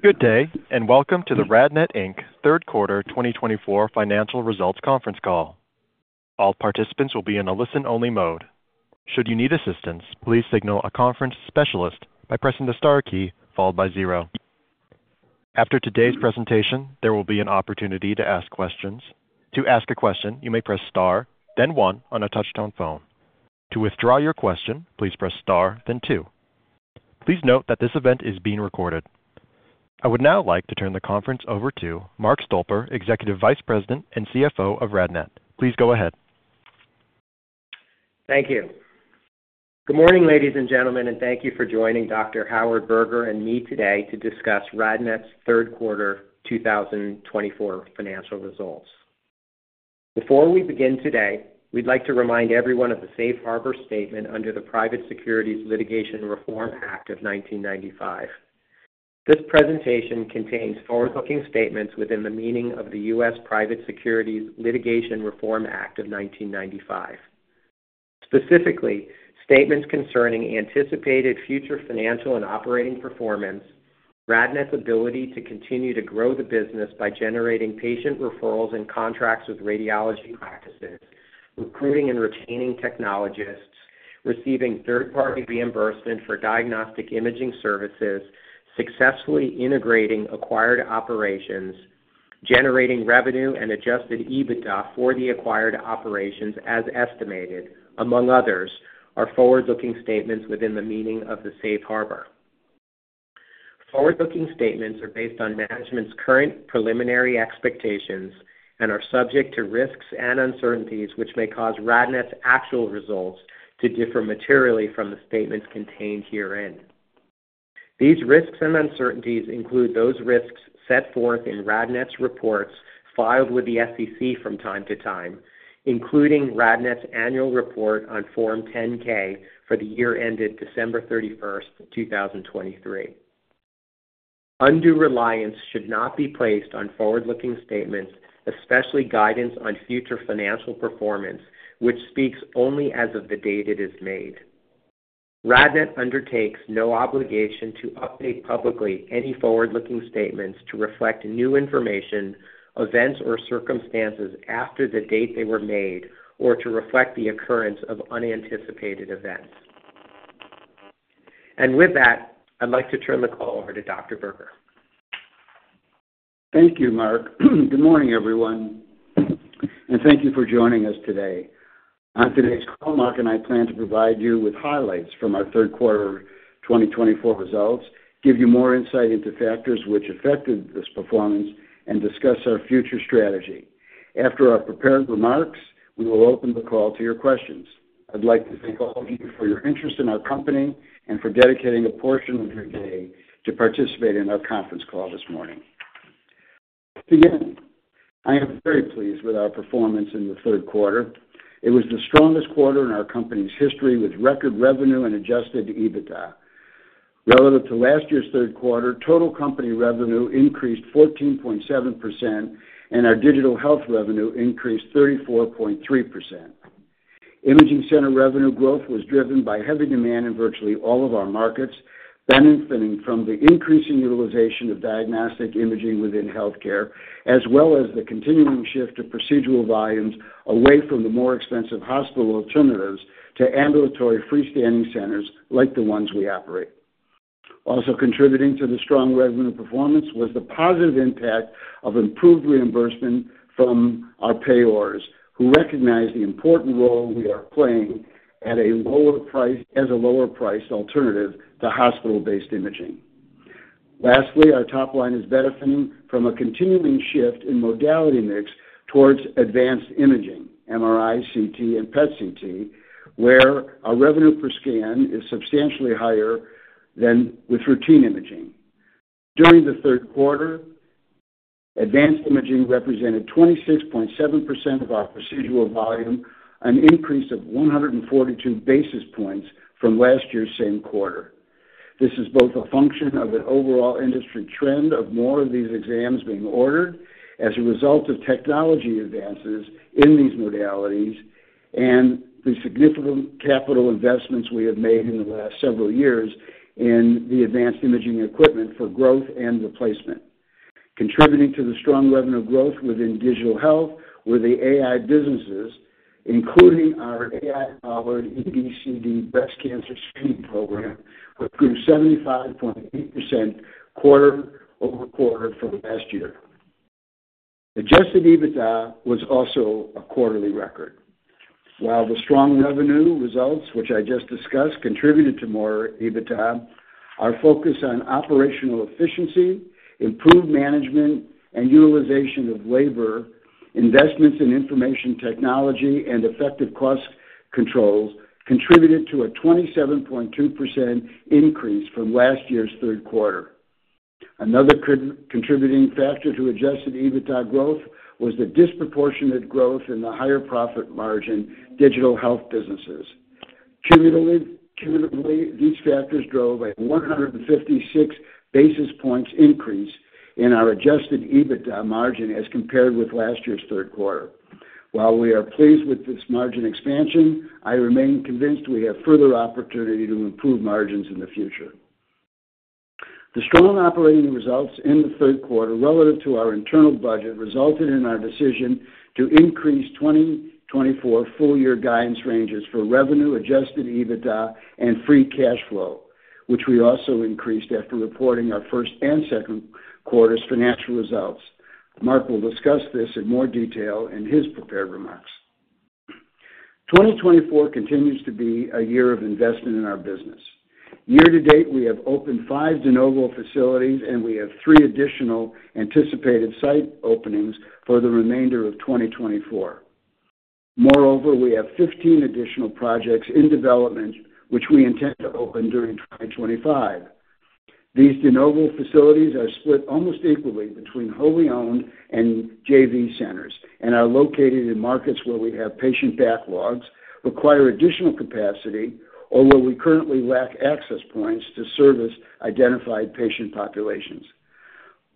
Good day, and welcome to the RadNet Inc Third Quarter 2024 Financial Results Conference Call. All participants will be in a listen-only mode. Should you need assistance, please signal a conference specialist by pressing the star key followed by zero. After today's presentation, there will be an opportunity to ask questions. To ask a question, you may press star, then one on a touch-tone phone. To withdraw your question, please press star, then two. Please note that this event is being recorded. I would now like to turn the conference over to Mark Stolper, Executive Vice President and CFO of RadNet. Please go ahead. Thank you. Good morning, ladies and gentlemen, and thank you for joining Dr. Howard Berger and me today to discuss RadNet's Third Quarter 2024 financial results. Before we begin today, we'd like to remind everyone of the Safe Harbor Statement under the Private Securities Litigation Reform Act of 1995. This presentation contains forward-looking statements within the meaning of the U.S. Private Securities Litigation Reform Act of 1995. Specifically, statements concerning anticipated future financial and operating performance, RadNet's ability to continue to grow the business by generating patient referrals and contracts with radiology practices, recruiting and retaining technologists, receiving third-party reimbursement for diagnostic imaging services, successfully integrating acquired operations, generating revenue and Adjusted EBITDA for the acquired operations as estimated, among others, are forward-looking statements within the meaning of the Safe Harbor. Forward-looking statements are based on management's current preliminary expectations and are subject to risks and uncertainties which may cause RadNet's actual results to differ materially from the statements contained herein. These risks and uncertainties include those risks set forth in RadNet's reports filed with the SEC from time to time, including RadNet's annual report on Form 10-K for the year ended December 31st, 2023. Undue reliance should not be placed on forward-looking statements, especially guidance on future financial performance, which speaks only as of the date it is made. RadNet undertakes no obligation to update publicly any forward-looking statements to reflect new information, events, or circumstances after the date they were made, or to reflect the occurrence of unanticipated events. With that, I'd like to turn the call over to Dr. Berger. Thank you, Mark. Good morning, everyone, and thank you for joining us today. On today's call, Mark and I plan to provide you with highlights from our Third Quarter 2024 results, give you more insight into factors which affected this performance, and discuss our future strategy. After our prepared remarks, we will open the call to your questions. I'd like to thank all of you for your interest in our company and for dedicating a portion of your day to participate in our conference call this morning. To begin, I am very pleased with our performance in the third quarter. It was the strongest quarter in our company's history with record revenue and Adjusted EBITDA. Relative to last year's third quarter, total company revenue increased 14.7%, and our Digital Health revenue increased 34.3%. Imaging center revenue growth was driven by heavy demand in virtually all of our markets, benefiting from the increasing utilization of diagnostic imaging within healthcare, as well as the continuing shift of procedural volumes away from the more expensive hospital alternatives to ambulatory freestanding centers like the ones we operate. Also contributing to the strong revenue performance was the positive impact of improved reimbursement from our payors, who recognize the important role we are playing as a lower-priced alternative to hospital-based imaging. Lastly, our top line is benefiting from a continuing shift in modality mix towards advanced imaging, MRI, CT, and PET/CT, where our revenue per scan is substantially higher than with routine imaging. During the third quarter, advanced imaging represented 26.7% of our procedural volume, an increase of 142 basis points from last year's same quarter. This is both a function of an overall industry trend of more of these exams being ordered as a result of technology advances in these modalities and the significant capital investments we have made in the last several years in the advanced imaging equipment for growth and replacement. Contributing to the strong revenue growth within digital health were the AI businesses, including our AI-powered EBCD breast cancer screening program, which grew 75.8% quarter over quarter from last year. Adjusted EBITDA was also a quarterly record. While the strong revenue results, which I just discussed, contributed to more EBITDA, our focus on operational efficiency, improved management, and utilization of labor, investments in information technology, and effective cost controls contributed to a 27.2% increase from last year's third quarter. Another contributing factor to adjusted EBITDA growth was the disproportionate growth in the higher profit margin digital health businesses. Cumulatively, these factors drove a 156 basis points increase in our Adjusted EBITDA margin as compared with last year's third quarter. While we are pleased with this margin expansion, I remain convinced we have further opportunity to improve margins in the future. The strong operating results in the third quarter relative to our internal budget resulted in our decision to increase 2024 full-year guidance ranges for revenue, Adjusted EBITDA, and Free Cash Flow, which we also increased after reporting our first and second quarter's financial results. Mark will discuss this in more detail in his prepared remarks. 2024 continues to be a year of investment in our business. Year to date, we have opened five de novo facilities, and we have three additional anticipated site openings for the remainder of 2024. Moreover, we have 15 additional projects in development, which we intend to open during 2025. These De Novo facilities are split almost equally between wholly owned and JV centers and are located in markets where we have patient backlogs, require additional capacity, or where we currently lack access points to service identified patient populations.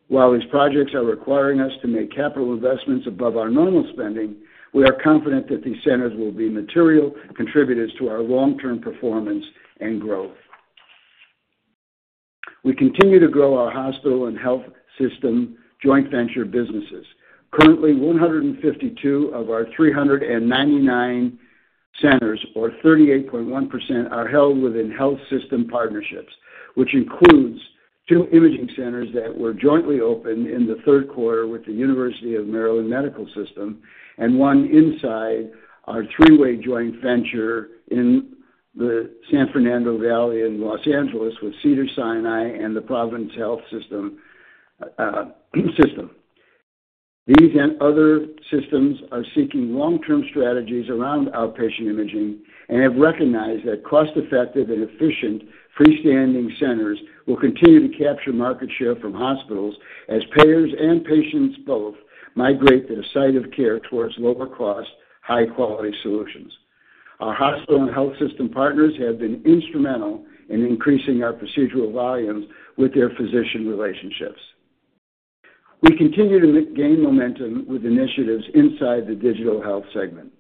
While these projects are requiring us to make capital investments above our normal spending, we are confident that these centers will be material contributors to our long-term performance and growth. We continue to grow our hospital and health system joint venture businesses. Currently, 152 of our 399 centers, or 38.1%, are held within health system partnerships, which includes two imaging centers that were jointly opened in the third quarter with the University of Maryland Medical System and one inside our three-way joint venture in the San Fernando Valley in Los Angeles with Cedars-Sinai and the Providence Health System. These and other systems are seeking long-term strategies around outpatient imaging and have recognized that cost-effective and efficient freestanding centers will continue to capture market share from hospitals as payers and patients both migrate their site of care towards lower-cost, high-quality solutions. Our hospital and health system partners have been instrumental in increasing our procedural volumes with their physician relationships. We continue to gain momentum with initiatives inside the digital health segment.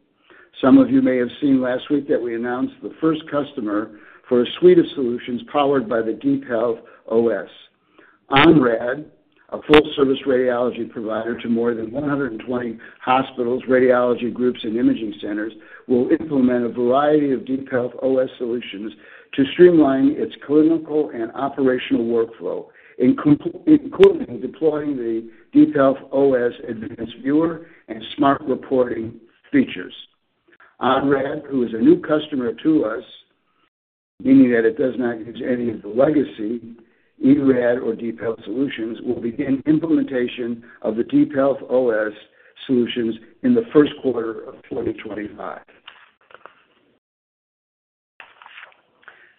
Some of you may have seen last week that we announced the first customer for a suite of solutions powered by the DeepHealth OS. ONRAD, a full-service radiology provider to more than 120 hospitals, radiology groups, and imaging centers, will implement a variety of DeepHealth OS solutions to streamline its clinical and operational workflow, including deploying the DeepHealth OS Advanced Viewer and Smart Reporting features. OnRad, who is a new customer to us, meaning that it does not use any of the legacy eRAD or DeepHealth solutions, will begin implementation of the DeepHealth OS solutions in the first quarter of 2025.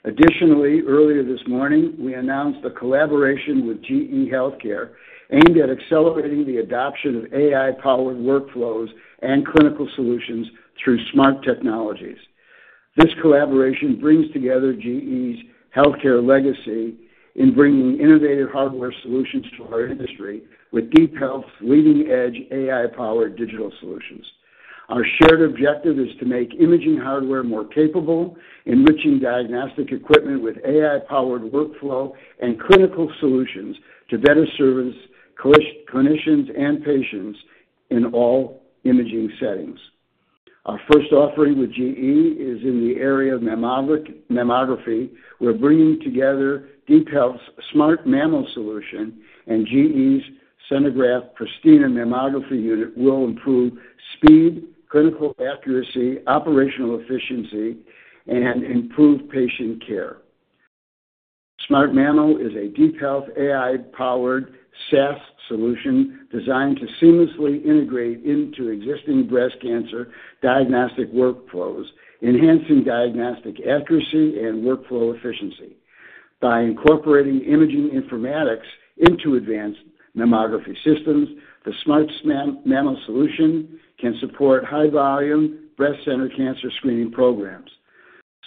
Additionally, earlier this morning, we announced a collaboration with GE Healthcare aimed at accelerating the adoption of AI-powered workflows and clinical solutions through smart technologies. This collaboration brings together GE's healthcare legacy in bringing innovative hardware solutions to our industry with DeepHealth's leading-edge AI-powered digital solutions. Our shared objective is to make imaging hardware more capable, enriching diagnostic equipment with AI-powered workflow and clinical solutions to better service clinicians and patients in all imaging settings. Our first offering with GE is in the area of mammography. We're bringing together DeepHealth's SmartMammo solution, and GE's Senographe Pristina Mammography unit will improve speed, clinical accuracy, operational efficiency, and improve patient care. SmartMammo is a DeepHealth AI-powered SaaS solution designed to seamlessly integrate into existing breast cancer diagnostic workflows, enhancing diagnostic accuracy and workflow efficiency. By incorporating imaging informatics into advanced mammography systems, the SmartMammo solution can support high-volume breast center cancer screening programs.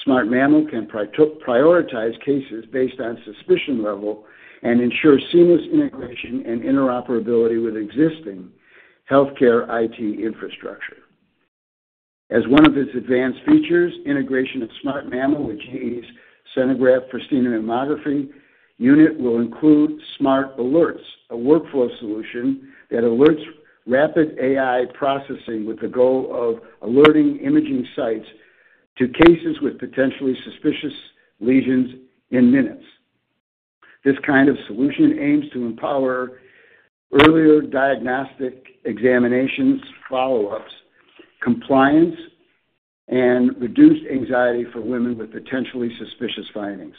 SmartMammo can prioritize cases based on suspicion level and ensure seamless integration and interoperability with existing healthcare IT infrastructure. As one of its advanced features, integration of SmartMammo with GE's Senographe Pristina Mammography unit will include Smart Alerts, a workflow solution that alerts rapid AI processing with the goal of alerting imaging sites to cases with potentially suspicious lesions in minutes. This kind of solution aims to empower earlier diagnostic examinations, follow-ups, compliance, and reduce anxiety for women with potentially suspicious findings.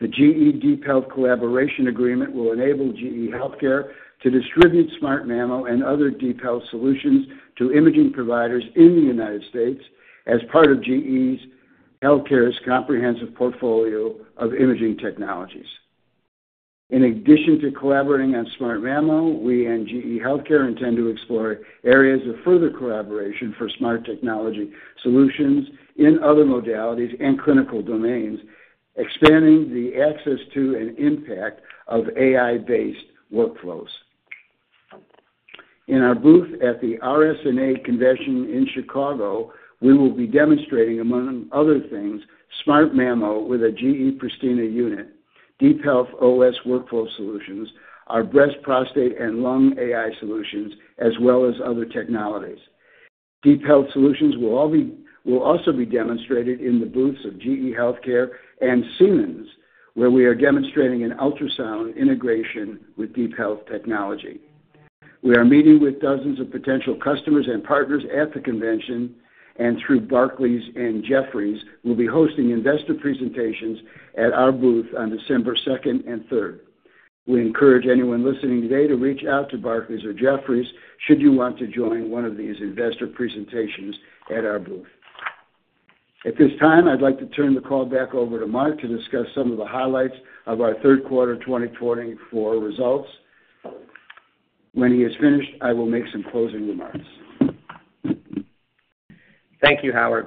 The GE DeepHealth collaboration agreement will enable GE Healthcare to distribute SmartMammo and other DeepHealth solutions to imaging providers in the United States as part of GE Healthcare's comprehensive portfolio of imaging technologies. In addition to collaborating on SmartMammo, we and GE Healthcare intend to explore areas of further collaboration for smart technology solutions in other modalities and clinical domains, expanding the access to and impact of AI-based workflows. In our booth at the RSNA Convention in Chicago, we will be demonstrating, among other things, SmartMammo with a GE Senographe Pristina unit, DeepHealth OS workflow solutions, our breast, prostate, and lung AI solutions, as well as other technologies. DeepHealth solutions will also be demonstrated in the booths of GE Healthcare and Siemens Healthineers, where we are demonstrating an ultrasound integration with DeepHealth technology. We are meeting with dozens of potential customers and partners at the convention, and through Barclays and Jefferies, we'll be hosting investor presentations at our booth on December 2nd and 3rd. We encourage anyone listening today to reach out to Barclays or Jefferies should you want to join one of these investor presentations at our booth. At this time, I'd like to turn the call back over to Mark to discuss some of the highlights of our third quarter 2024 results. When he is finished, I will make some closing remarks. Thank you, Howard.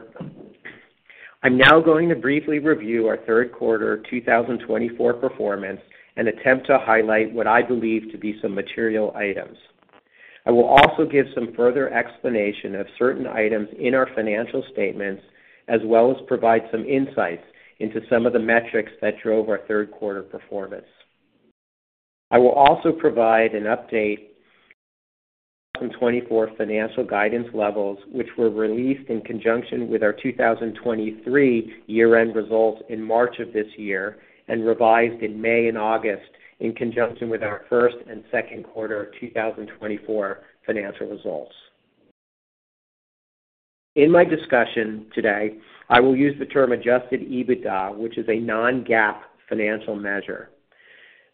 I'm now going to briefly review our third quarter 2024 performance and attempt to highlight what I believe to be some material items. I will also give some further explanation of certain items in our financial statements, as well as provide some insights into some of the metrics that drove our third quarter performance. I will also provide an update on 2024 financial guidance levels, which were released in conjunction with our 2023 year-end results in March of this year and revised in May and August in conjunction with our first and second quarter 2024 financial results. In my discussion today, I will use the term Adjusted EBITDA, which is a non-GAAP financial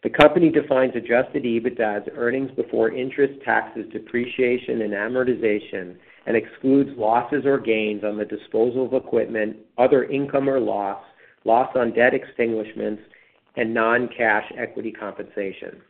measure. The company defines Adjusted EBITDA as earnings before interest, taxes, depreciation, and amortization, and excludes losses or gains on the disposal of equipment, other income or loss, loss on debt extinguishments, and non-cash equity compensation.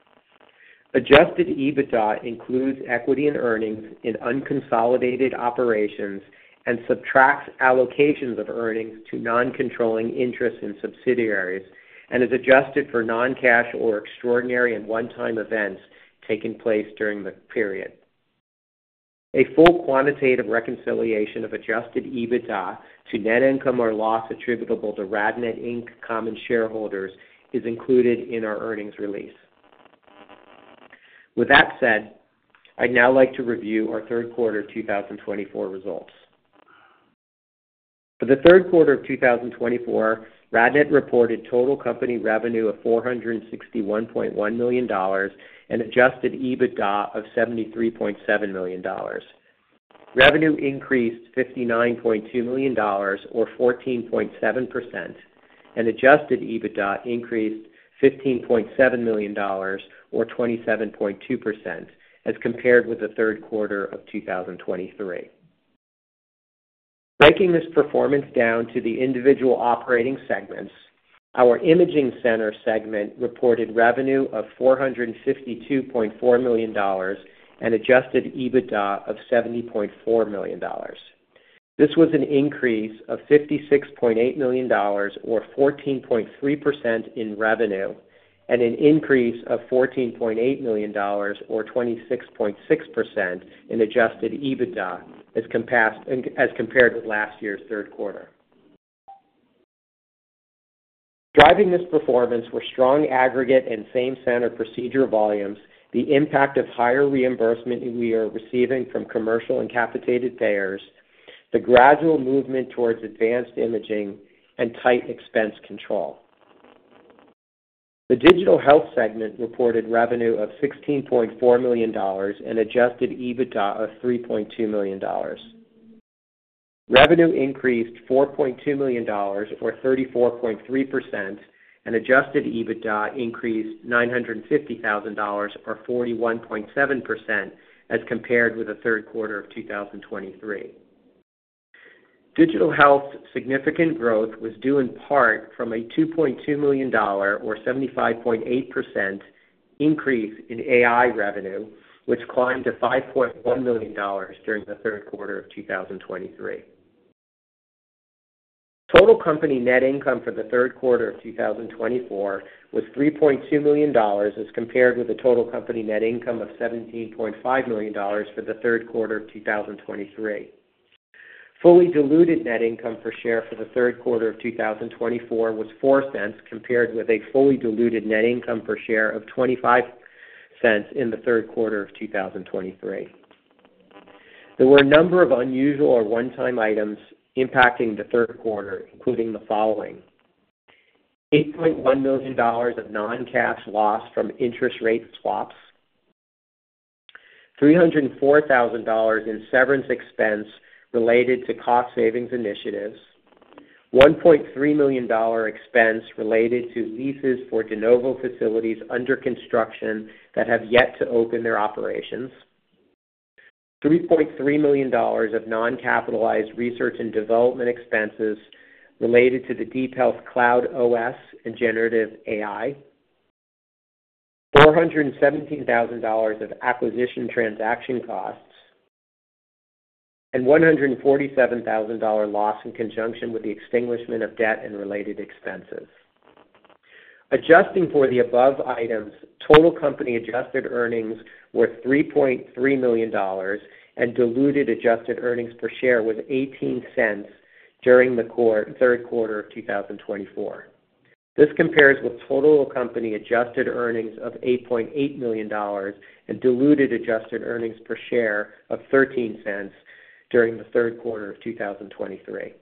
Adjusted EBITDA includes equity and earnings in unconsolidated operations and subtracts allocations of earnings to non-controlling interest in subsidiaries and is adjusted for non-cash or extraordinary and one-time events taking place during the period. A full quantitative reconciliation of Adjusted EBITDA to net income or loss attributable to RadNet Inc. common shareholders is included in our earnings release. With that said, I'd now like to review our third quarter 2024 results. For the third quarter of 2024, RadNet reported total company revenue of $461.1 million and Adjusted EBITDA of $73.7 million. Revenue increased $59.2 million, or 14.7%, and Adjusted EBITDA increased $15.7 million, or 27.2%, as compared with the third quarter of 2023. Breaking this performance down to the individual operating segments, our imaging center segment reported revenue of $452.4 million and adjusted EBITDA of $70.4 million. This was an increase of $56.8 million, or 14.3%, in revenue, and an increase of $14.8 million, or 26.6%, in adjusted EBITDA as compared with last year's third quarter. Driving this performance were strong aggregate and same-center procedure volumes, the impact of higher reimbursement we are receiving from commercial and capitated payers, the gradual movement towards advanced imaging, and tight expense control. The digital health segment reported revenue of $16.4 million and adjusted EBITDA of $3.2 million. Revenue increased $4.2 million, or 34.3%, and adjusted EBITDA increased $950,000, or 41.7%, as compared with the third quarter of 2023. Digital health's significant growth was due in part from a $2.2 million, or 75.8%, increase in AI revenue, which climbed to $5.1 million during the third quarter of 2023. Total company net income for the third quarter of 2024 was $3.2 million, as compared with the total company net income of $17.5 million for the third quarter of 2023. Fully diluted net income per share for the third quarter of 2024 was $0.04, compared with a fully diluted net income per share of $0.25 in the third quarter of 2023. There were a number of unusual or one-time items impacting the third quarter, including the following: $8.1 million of non-cash loss from interest rate swaps, $304,000 in severance expense related to cost savings initiatives, $1.3 million expense related to leases for De Novo facilities under construction that have yet to open their operations, $3.3 million of non-capitalized research and development expenses related to the DeepHealth Cloud OS and Generative AI, $417,000 of acquisition transaction costs, and $147,000 loss in conjunction with the extinguishment of debt and related expenses. Adjusting for the above items, total company adjusted earnings were $3.3 million, and diluted adjusted earnings per share was $0.18 during the third quarter of 2024. This compares with total company adjusted earnings of $8.8 million and diluted adjusted earnings per share of $0.13 during the third quarter of 2023.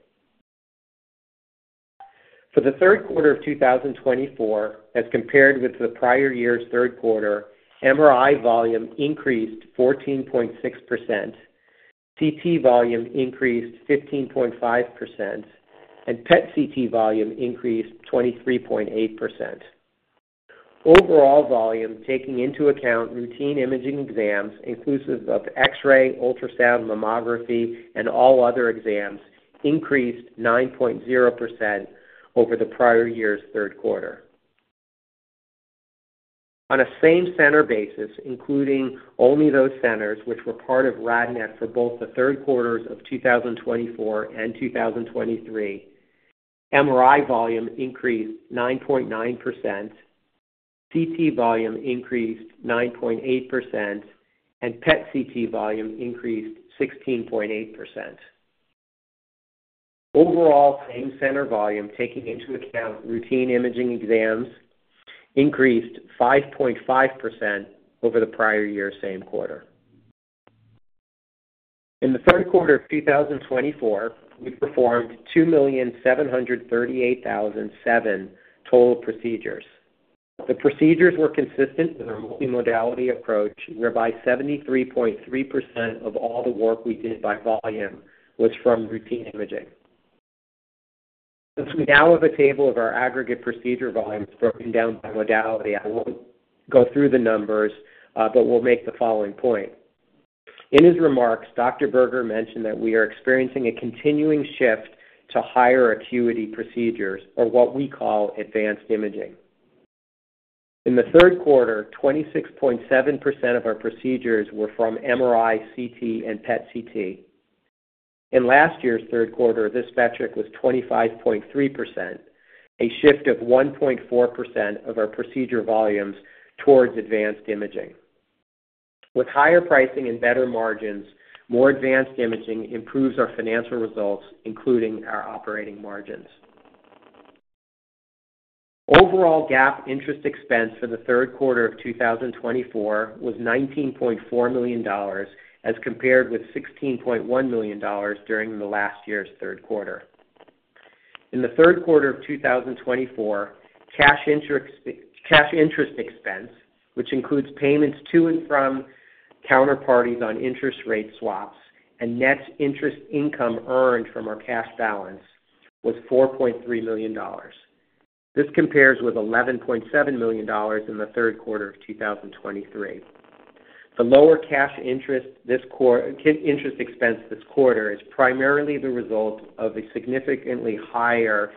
For the third quarter of 2024, as compared with the prior year's third quarter, MRI volume increased 14.6%, CT volume increased 15.5%, and PET CT volume increased 23.8%. Overall volume, taking into account routine imaging exams, inclusive of X-ray, ultrasound, mammography, and all other exams, increased 9.0% over the prior year's third quarter. On a same-center basis, including only those centers which were part of RadNet for both the third quarters of 2024 and 2023, MRI volume increased 9.9%, CT volume increased 9.8%, and PET CT volume increased 16.8%. Overall same-center volume, taking into account routine imaging exams, increased 5.5% over the prior year's same quarter. In the third quarter of 2024, we performed 2,738,007 total procedures. The procedures were consistent with our multi-modality approach, whereby 73.3% of all the work we did by volume was from routine imaging. Since we now have a table of our aggregate procedure volumes broken down by modality, I won't go through the numbers, but we'll make the following point. In his remarks, Dr. Berger mentioned that we are experiencing a continuing shift to higher acuity procedures, or what we call advanced imaging. In the third quarter, 26.7% of our procedures were from MRI, CT, and PET CT. In last year's third quarter, this metric was 25.3%, a shift of 1.4% of our procedure volumes towards advanced imaging. With higher pricing and better margins, more advanced imaging improves our financial results, including our operating margins. Overall GAAP interest expense for the third quarter of 2024 was $19.4 million, as compared with $16.1 million during the last year's third quarter. In the third quarter of 2024, cash interest expense, which includes payments to and from counterparties on interest rate swaps and net interest income earned from our cash balance, was $4.3 million. This compares with $11.7 million in the third quarter of 2023. The lower cash interest expense this quarter is primarily the result of a significantly higher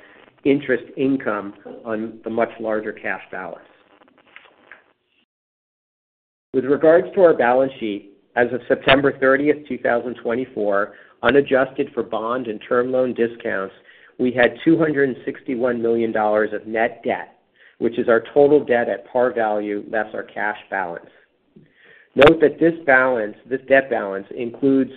interest income on the much larger cash balance. With regards to our balance sheet, as of September 30th, 2024, unadjusted for bond and term loan discounts, we had $261 million of net debt, which is our total debt at par value less our cash balance. Note that this debt balance includes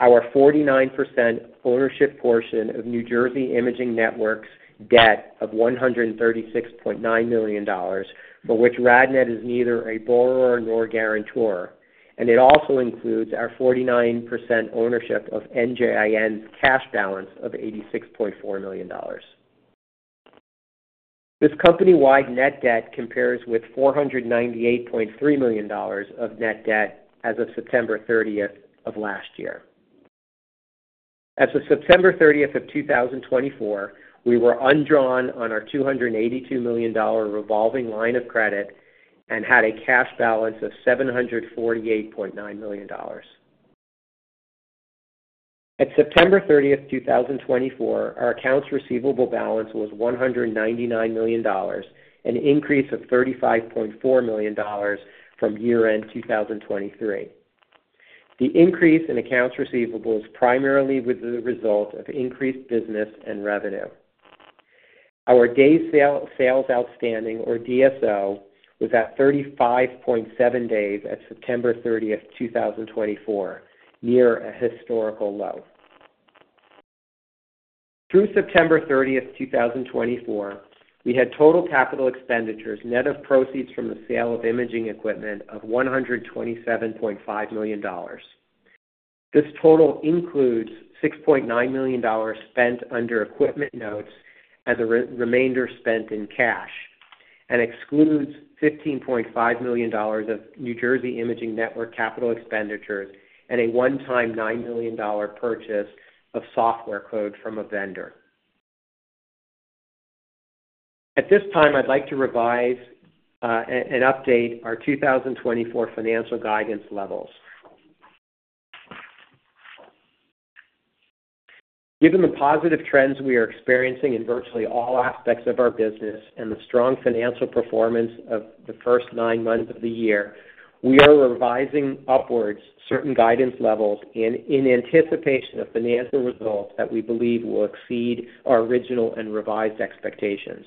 our 49% ownership portion of New Jersey Imaging Network's debt of $136.9 million, for which RadNet is neither a borrower nor guarantor, and it also includes our 49% ownership of NJIN's cash balance of $86.4 million. This company-wide net debt compares with $498.3 million of net debt as of September 30th of last year. As of September 30th of 2024, we were undrawn on our $282 million revolving line of credit and had a cash balance of $748.9 million. At September 30th, 2024, our accounts receivable balance was $199 million, an increase of $35.4 million from year-end 2023. The increase in accounts receivable is primarily with the result of increased business and revenue. Our day sales outstanding, or DSO, was at 35.7 days at September 30th, 2024, near a historical low. Through September 30th, 2024, we had total capital expenditures net of proceeds from the sale of imaging equipment of $127.5 million. This total includes $6.9 million spent under equipment notes and the remainder spent in cash, and excludes $15.5 million of New Jersey Imaging Network capital expenditures and a one-time $9 million purchase of software code from a vendor. At this time, I'd like to revise and update our 2024 financial guidance levels. Given the positive trends we are experiencing in virtually all aspects of our business and the strong financial performance of the first nine months of the year, we are revising upwards certain guidance levels in anticipation of financial results that we believe will exceed our original and revised expectations.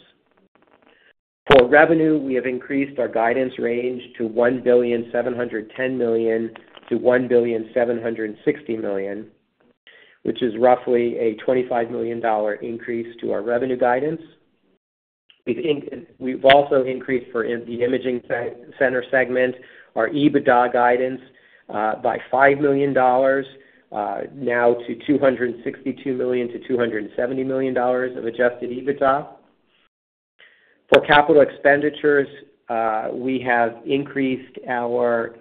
For revenue, we have increased our guidance range to $1,710 million-$1,760 million, which is roughly a $25 million increase to our revenue guidance. We've also increased for the imaging center segment our EBITDA guidance by $5 million, now to $262 million-$270 million of adjusted EBITDA. For capital expenditures, we have increased our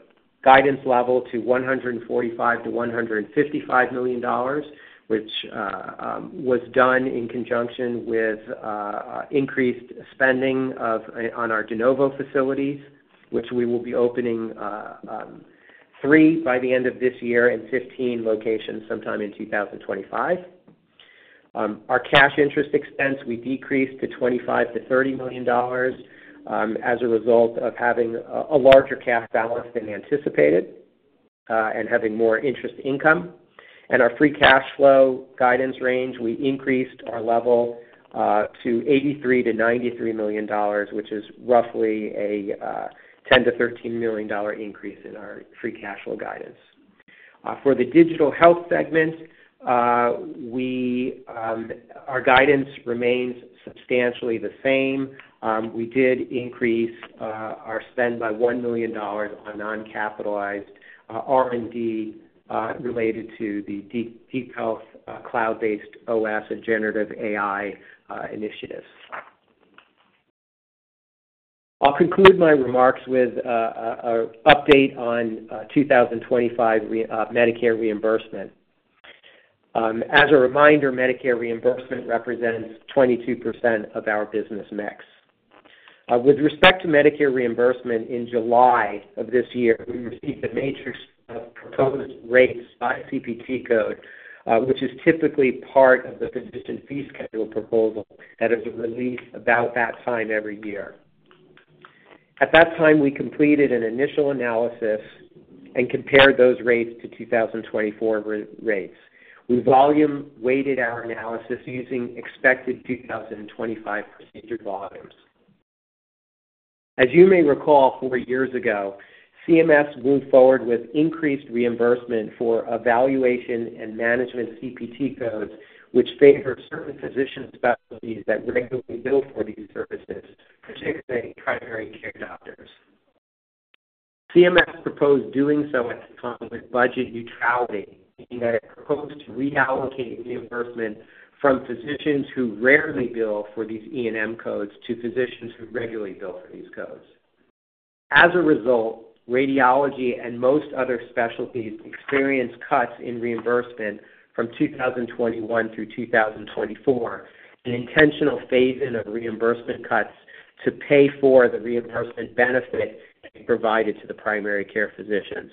guidance level to $145 million-$155 million, which was done in conjunction with increased spending on our De Novo facilities, which we will be opening three by the end of this year in 15 locations sometime in 2025. Our cash interest expense, we decreased to $25 million-$30 million as a result of having a larger cash balance than anticipated and having more interest income. And our free cash flow guidance range, we increased our level to $83 million-$93 million, which is roughly a $10 million-$13 million increase in our free cash flow guidance. For the digital health segment, our guidance remains substantially the same. We did increase our spend by $1 million on non-capitalized R&D related to the DeepHealth Cloud-based OS and Generative AI initiatives. I'll conclude my remarks with an update on 2025 Medicare reimbursement. As a reminder, Medicare reimbursement represents 22% of our business mix. With respect to Medicare reimbursement, in July of this year, we received a matrix of proposed rates by CPT code, which is typically part of the physician fee schedule proposal that is released about that time every year. At that time, we completed an initial analysis and compared those rates to 2024 rates. We volume-weighted our analysis using expected 2025 procedure volumes. As you may recall, four years ago, CMS moved forward with increased reimbursement for evaluation and management CPT codes, which favored certain physician specialties that regularly bill for these services, particularly primary care doctors. CMS proposed doing so at the time with budget neutrality, meaning that it proposed to reallocate reimbursement from physicians who rarely bill for these E&M codes to physicians who regularly bill for these codes. As a result, radiology and most other specialties experienced cuts in reimbursement from 2021 through 2024, an intentional phase-in of reimbursement cuts to pay for the reimbursement benefit provided to the primary care physicians.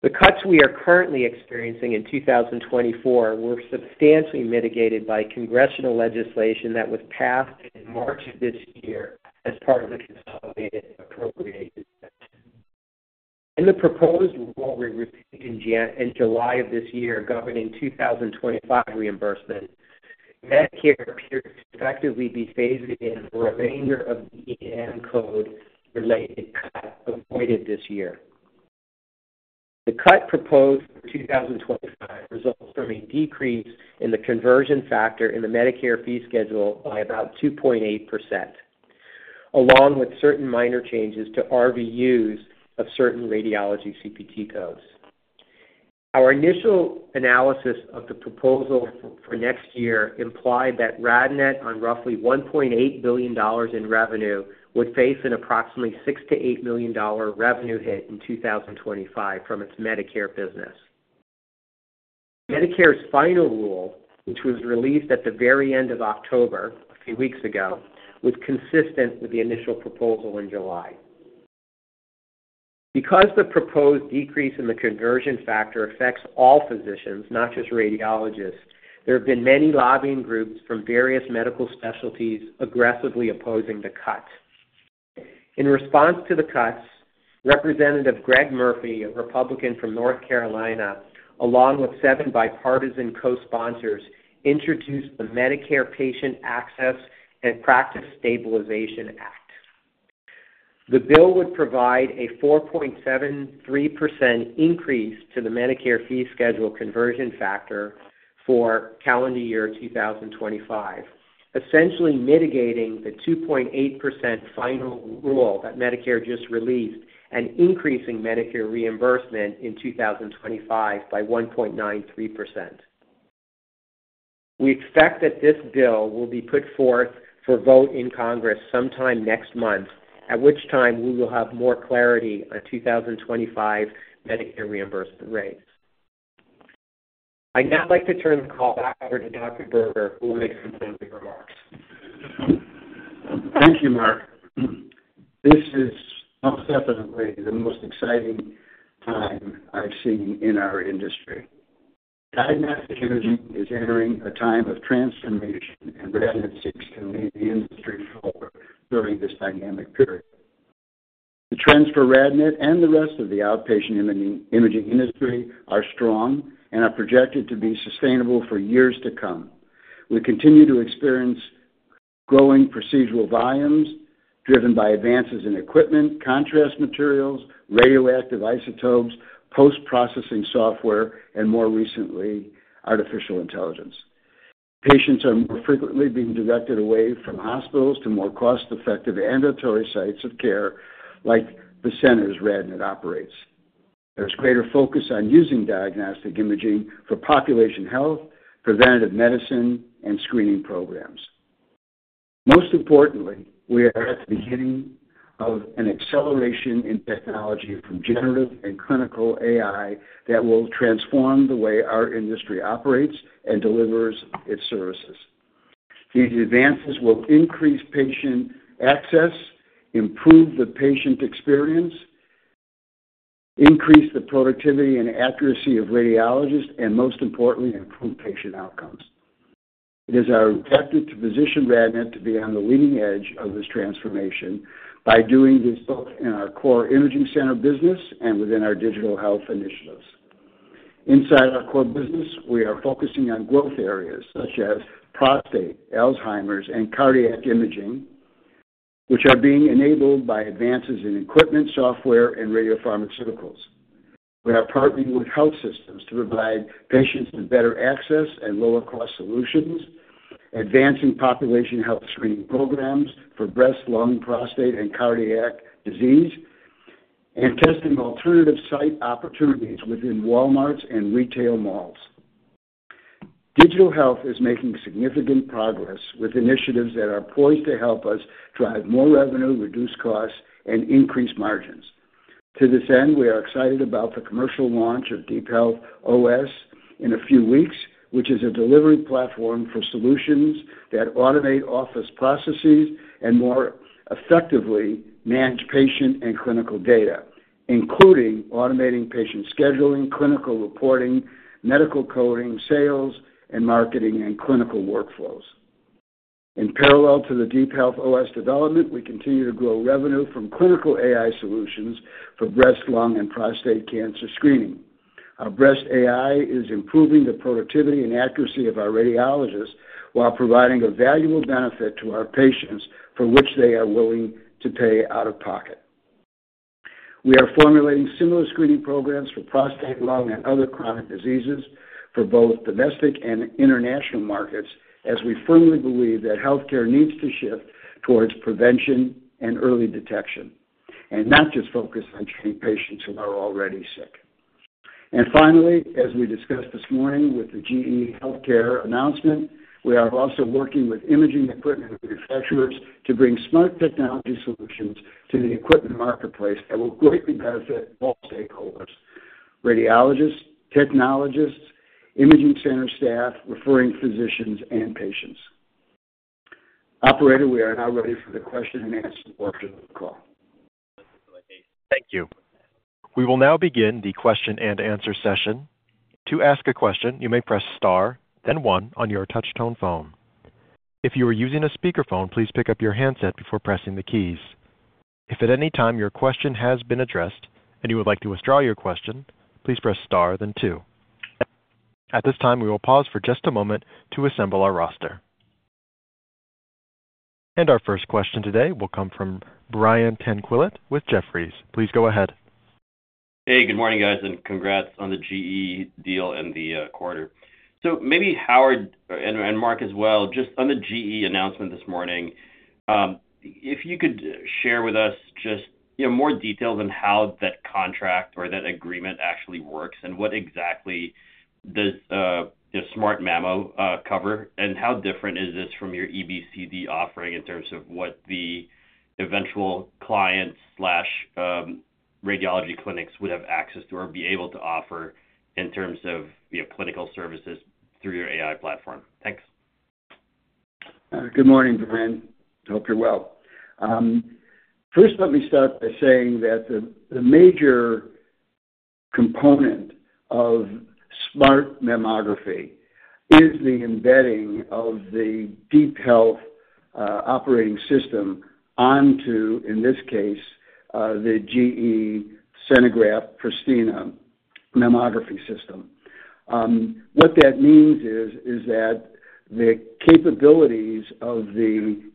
The cuts we are currently experiencing in 2024 were substantially mitigated by congressional legislation that was passed in March of this year as part of the consolidated appropriations. In the proposed rule we received in July of this year governing 2025 reimbursement, Medicare appears to effectively be phasing in the remainder of the E&M code-related cut avoided this year. The cut proposed for 2025 results from a decrease in the conversion factor in the Medicare fee schedule by about 2.8%, along with certain minor changes to RVUs of certain radiology CPT codes. Our initial analysis of the proposal for next year implied that RadNet, on roughly $1.8 billion in revenue, would face an approximately $6 million-$8 million revenue hit in 2025 from its Medicare business. Medicare's final rule, which was released at the very end of October a few weeks ago, was consistent with the initial proposal in July. Because the proposed decrease in the conversion factor affects all physicians, not just radiologists, there have been many lobbying groups from various medical specialties aggressively opposing the cut. In response to the cuts, Representative Greg Murphy, a Republican from North Carolina, along with seven bipartisan co-sponsors, introduced the Medicare Patient Access and Practice Stabilization Act. The bill would provide a 4.73% increase to the Medicare fee schedule conversion factor for calendar year 2025, essentially mitigating the 2.8% final rule that Medicare just released and increasing Medicare reimbursement in 2025 by 1.93%. We expect that this bill will be put forth for vote in Congress sometime next month, at which time we will have more clarity on 2025 Medicare reimbursement rates. I'd now like to turn the call back over to Dr. Berger, who will make some closing remarks. Thank you, Mark. This is most definitely the most exciting time I've seen in our industry. RadNet's imaging is entering a time of transformation, and RadNet is excellent in leading the industry forward during this dynamic period. The trends for RadNet and the rest of the outpatient imaging industry are strong and are projected to be sustainable for years to come. We continue to experience growing procedural volumes driven by advances in equipment, contrast materials, radioactive isotopes, post-processing software, and more recently, artificial intelligence. Patients are more frequently being directed away from hospitals to more cost-effective ambulatory sites of care, like the centers RadNet operates. There's greater focus on using diagnostic imaging for population health, preventative medicine, and screening programs. Most importantly, we are at the beginning of an acceleration in technology from generative and clinical AI that will transform the way our industry operates and delivers its services. These advances will increase patient access, improve the patient experience, increase the productivity and accuracy of radiologists, and most importantly, improve patient outcomes. It is our objective to position RadNet to be on the leading edge of this transformation by doing this both in our core imaging center business and within our digital health initiatives. Inside our core business, we are focusing on growth areas such as prostate, Alzheimer's, and cardiac imaging, which are being enabled by advances in equipment, software, and radiopharmaceuticals. We are partnering with health systems to provide patients with better access and lower-cost solutions, advancing population health screening programs for breast, lung, prostate, and cardiac disease, and testing alternative site opportunities within Walmarts and retail malls. Digital health is making significant progress with initiatives that are poised to help us drive more revenue, reduce costs, and increase margins. To this end, we are excited about the commercial launch of DeepHealth OS in a few weeks, which is a delivery platform for solutions that automate office processes and more effectively manage patient and clinical data, including automating patient scheduling, clinical reporting, medical coding, sales, and marketing and clinical workflows. In parallel to the DeepHealth OS development, we continue to grow revenue from clinical AI solutions for breast, lung, and prostate cancer screening. Our breast AI is improving the productivity and accuracy of our radiologists while providing a valuable benefit to our patients for which they are willing to pay out of pocket. We are formulating similar screening programs for prostate, lung, and other chronic diseases for both domestic and international markets as we firmly believe that healthcare needs to shift towards prevention and early detection and not just focus on treating patients who are already sick. And finally, as we discussed this morning with the GE Healthcare announcement, we are also working with imaging equipment manufacturers to bring smart technology solutions to the equipment marketplace that will greatly benefit all stakeholders: radiologists, technologists, imaging center staff, referring physicians, and patients. Operator, we are now ready for the question-and-answer portion of the call. Thank you. We will now begin the question-and-answer session. To ask a question, you may press star, then one on your touch-tone phone. If you are using a speakerphone, please pick up your handset before pressing the keys. If at any time your question has been addressed and you would like to withdraw your question, please press star, then two. At this time, we will pause for just a moment to assemble our roster, and our first question today will come from Brian Tanquilut with Jefferies. Please go ahead. Hey, good morning, guys, and congrats on the GE deal and the quarter. So maybe Howard and Mark as well, just on the GE announcement this morning, if you could share with us just more details on how that contract or that agreement actually works and what exactly does SmartMammo cover and how different is this from your EBCD offering in terms of what the eventual client/radiology clinics would have access to or be able to offer in terms of clinical services through your AI platform? Thanks. Good morning, Brian. I hope you're well. First, let me start by saying that the major component of SmartMammo is the embedding of the DeepHealth operating system onto, in this case, the GE Senographe Pristina mammography system. What that means is that the capabilities of the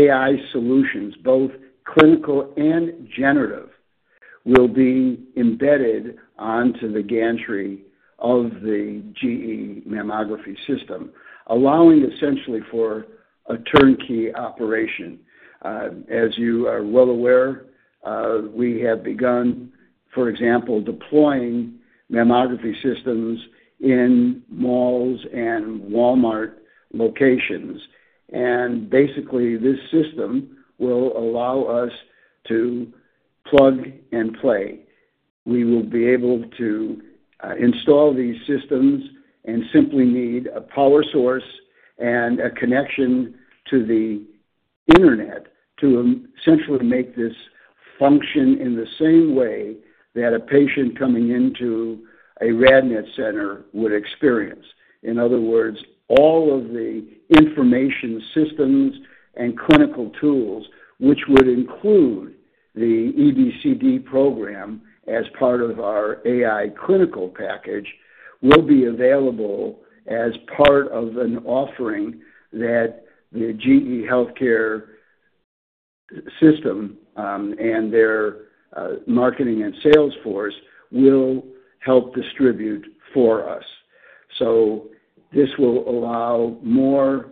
AI solutions, both clinical and generative, will be embedded onto the gantry of the GE mammography system, allowing essentially for a turnkey operation. As you are well aware, we have begun, for example, deploying mammography systems in malls and Walmart locations. And basically, this system will allow us to plug and play. We will be able to install these systems and simply need a power source and a connection to the internet to essentially make this function in the same way that a patient coming into a RadNet center would experience. In other words, all of the information systems and clinical tools, which would include the EBCD program as part of our AI clinical package, will be available as part of an offering that the GE Healthcare system and their marketing and sales force will help distribute for us. So this will allow more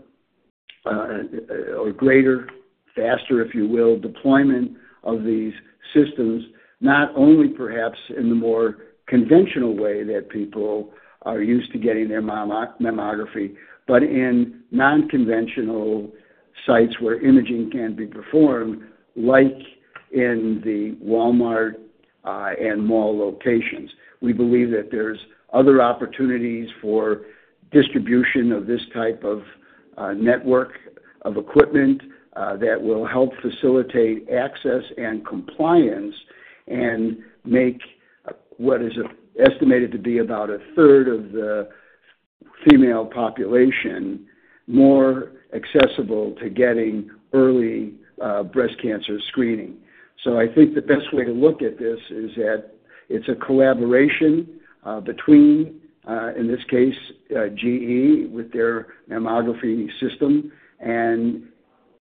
or greater, faster, if you will, deployment of these systems, not only perhaps in the more conventional way that people are used to getting their mammography, but in non-conventional sites where imaging can be performed, like in the Walmart and mall locations. We believe that there's other opportunities for distribution of this type of network of equipment that will help facilitate access and compliance and make what is estimated to be about a third of the female population more accessible to getting early breast cancer screening. So I think the best way to look at this is that it's a collaboration between, in this case, GE with their mammography system and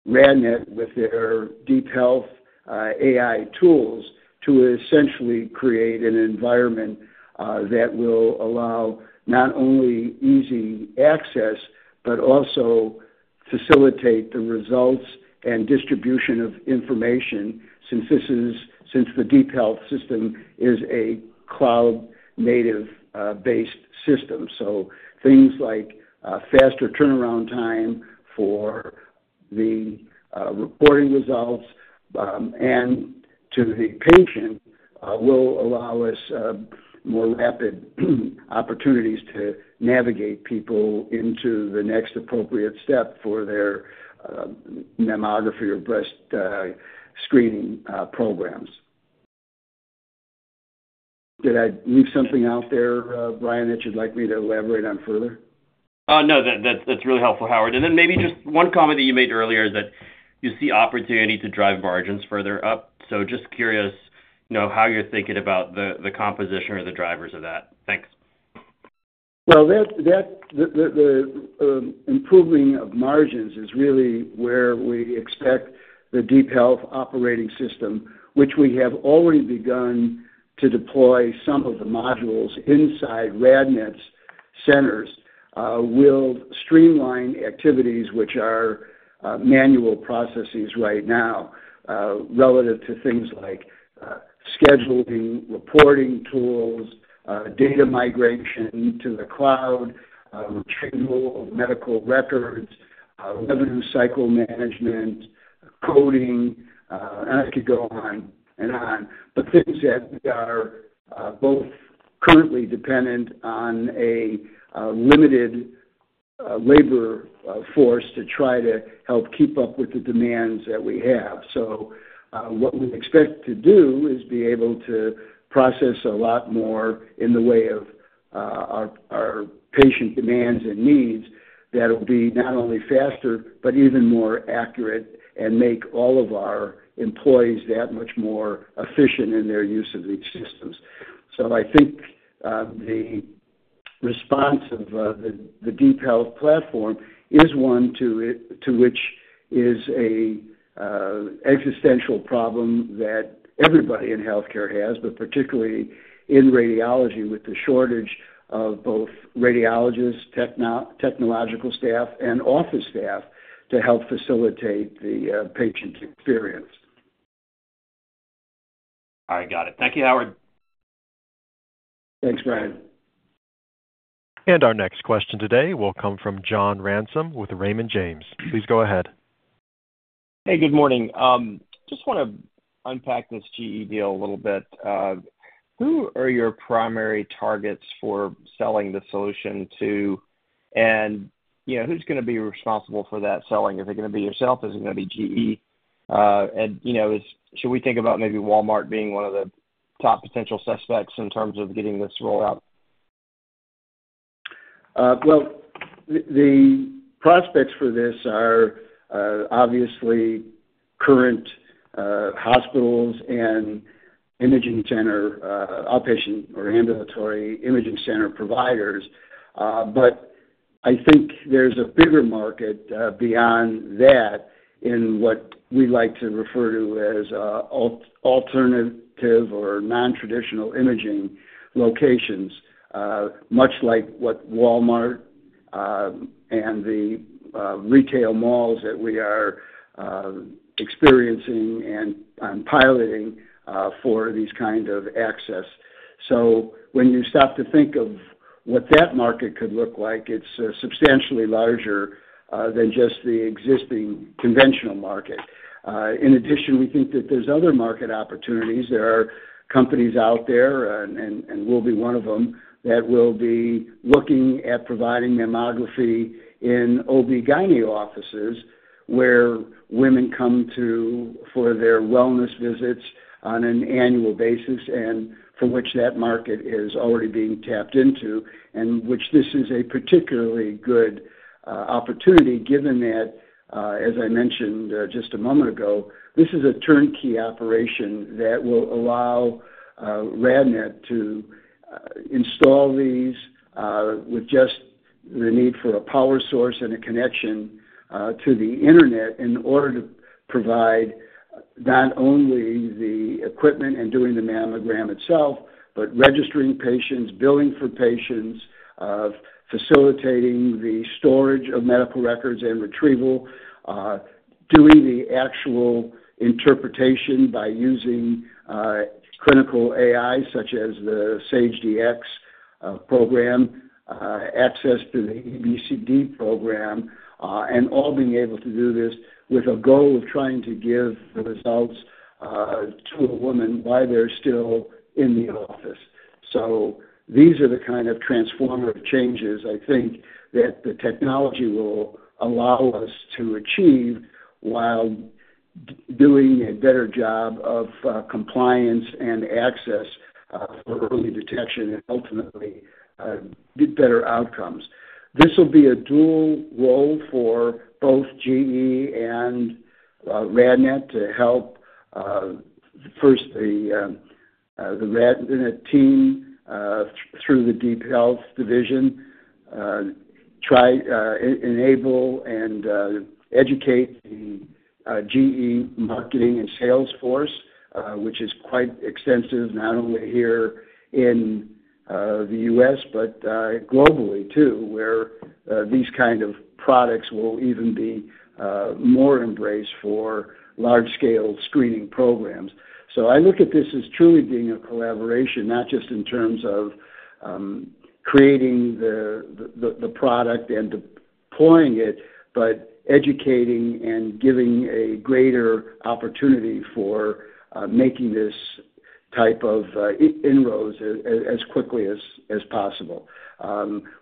RadNet with their DeepHealth AI tools to essentially create an environment that will allow not only easy access, but also facilitate the results and distribution of information since the DeepHealth system is a cloud-native-based system. So things like faster turnaround time for the reporting results and to the patient will allow us more rapid opportunities to navigate people into the next appropriate step for their mammography or breast screening programs. Did I leave something out there, Brian, that you'd like me to elaborate on further? No, that's really helpful, Howard. And then maybe just one comment that you made earlier is that you see opportunity to drive margins further up. So just curious how you're thinking about the composition or the drivers of that. Thanks. The improving of margins is really where we expect the DeepHealth operating system, which we have already begun to deploy some of the modules inside RadNet's centers, will streamline activities which are manual processes right now relative to things like scheduling, reporting tools, data migration to the cloud, retrieval of medical records, revenue cycle management, coding, and I could go on and on, but things that are both currently dependent on a limited labor force to try to help keep up with the demands that we have. So what we expect to do is be able to process a lot more in the way of our patient demands and needs that will be not only faster, but even more accurate and make all of our employees that much more efficient in their use of these systems. So I think the response of the DeepHealth platform is one to which is an existential problem that everybody in healthcare has, but particularly in radiology with the shortage of both radiologists, technological staff, and office staff to help facilitate the patient experience. All right, got it. Thank you, Howard. Thanks, Brian. And our next question today will come from John Ransom with Raymond James. Please go ahead. Hey, good morning. Just want to unpack this GE deal a little bit. Who are your primary targets for selling the solution to, and who's going to be responsible for that selling? Is it going to be yourself? Is it going to be GE? And should we think about maybe Walmart being one of the top potential suspects in terms of getting this rolled out? The prospects for this are obviously current hospitals and imaging centers, outpatient or ambulatory imaging center providers. But I think there's a bigger market beyond that in what we like to refer to as alternative or non-traditional imaging locations, much like what Walmart and the retail malls that we are experiencing and piloting for these kinds of access. So when you stop to think of what that market could look like, it's substantially larger than just the existing conventional market. In addition, we think that there's other market opportunities. There are companies out there, and we'll be one of them, that will be looking at providing mammography in OB-GYN offices where women come for their wellness visits on an annual basis and for which that market is already being tapped into, and which this is a particularly good opportunity given that, as I mentioned just a moment ago, this is a turnkey operation that will allow RadNet to install these with just the need for a power source and a connection to the internet in order to provide not only the equipment and doing the mammogram itself. But registering patients, billing for patients, facilitating the storage of medical records and retrieval, doing the actual interpretation by using clinical AI such as the SAGE-DX program, access to the EBCD program, and all being able to do this with a goal of trying to give the results to a woman while they're still in the office. So these are the kind of transformative changes, I think, that the technology will allow us to achieve while doing a better job of compliance and access for early detection and ultimately better outcomes. This will be a dual role for both GE and RadNet to help, first, the RadNet team through the DeepHealth division, enable and educate the GE marketing and sales force, which is quite extensive not only here in the U.S., but globally too, where these kinds of products will even be more embraced for large-scale screening programs. So I look at this as truly being a collaboration, not just in terms of creating the product and deploying it, but educating and giving a greater opportunity for making this type of inroads as quickly as possible.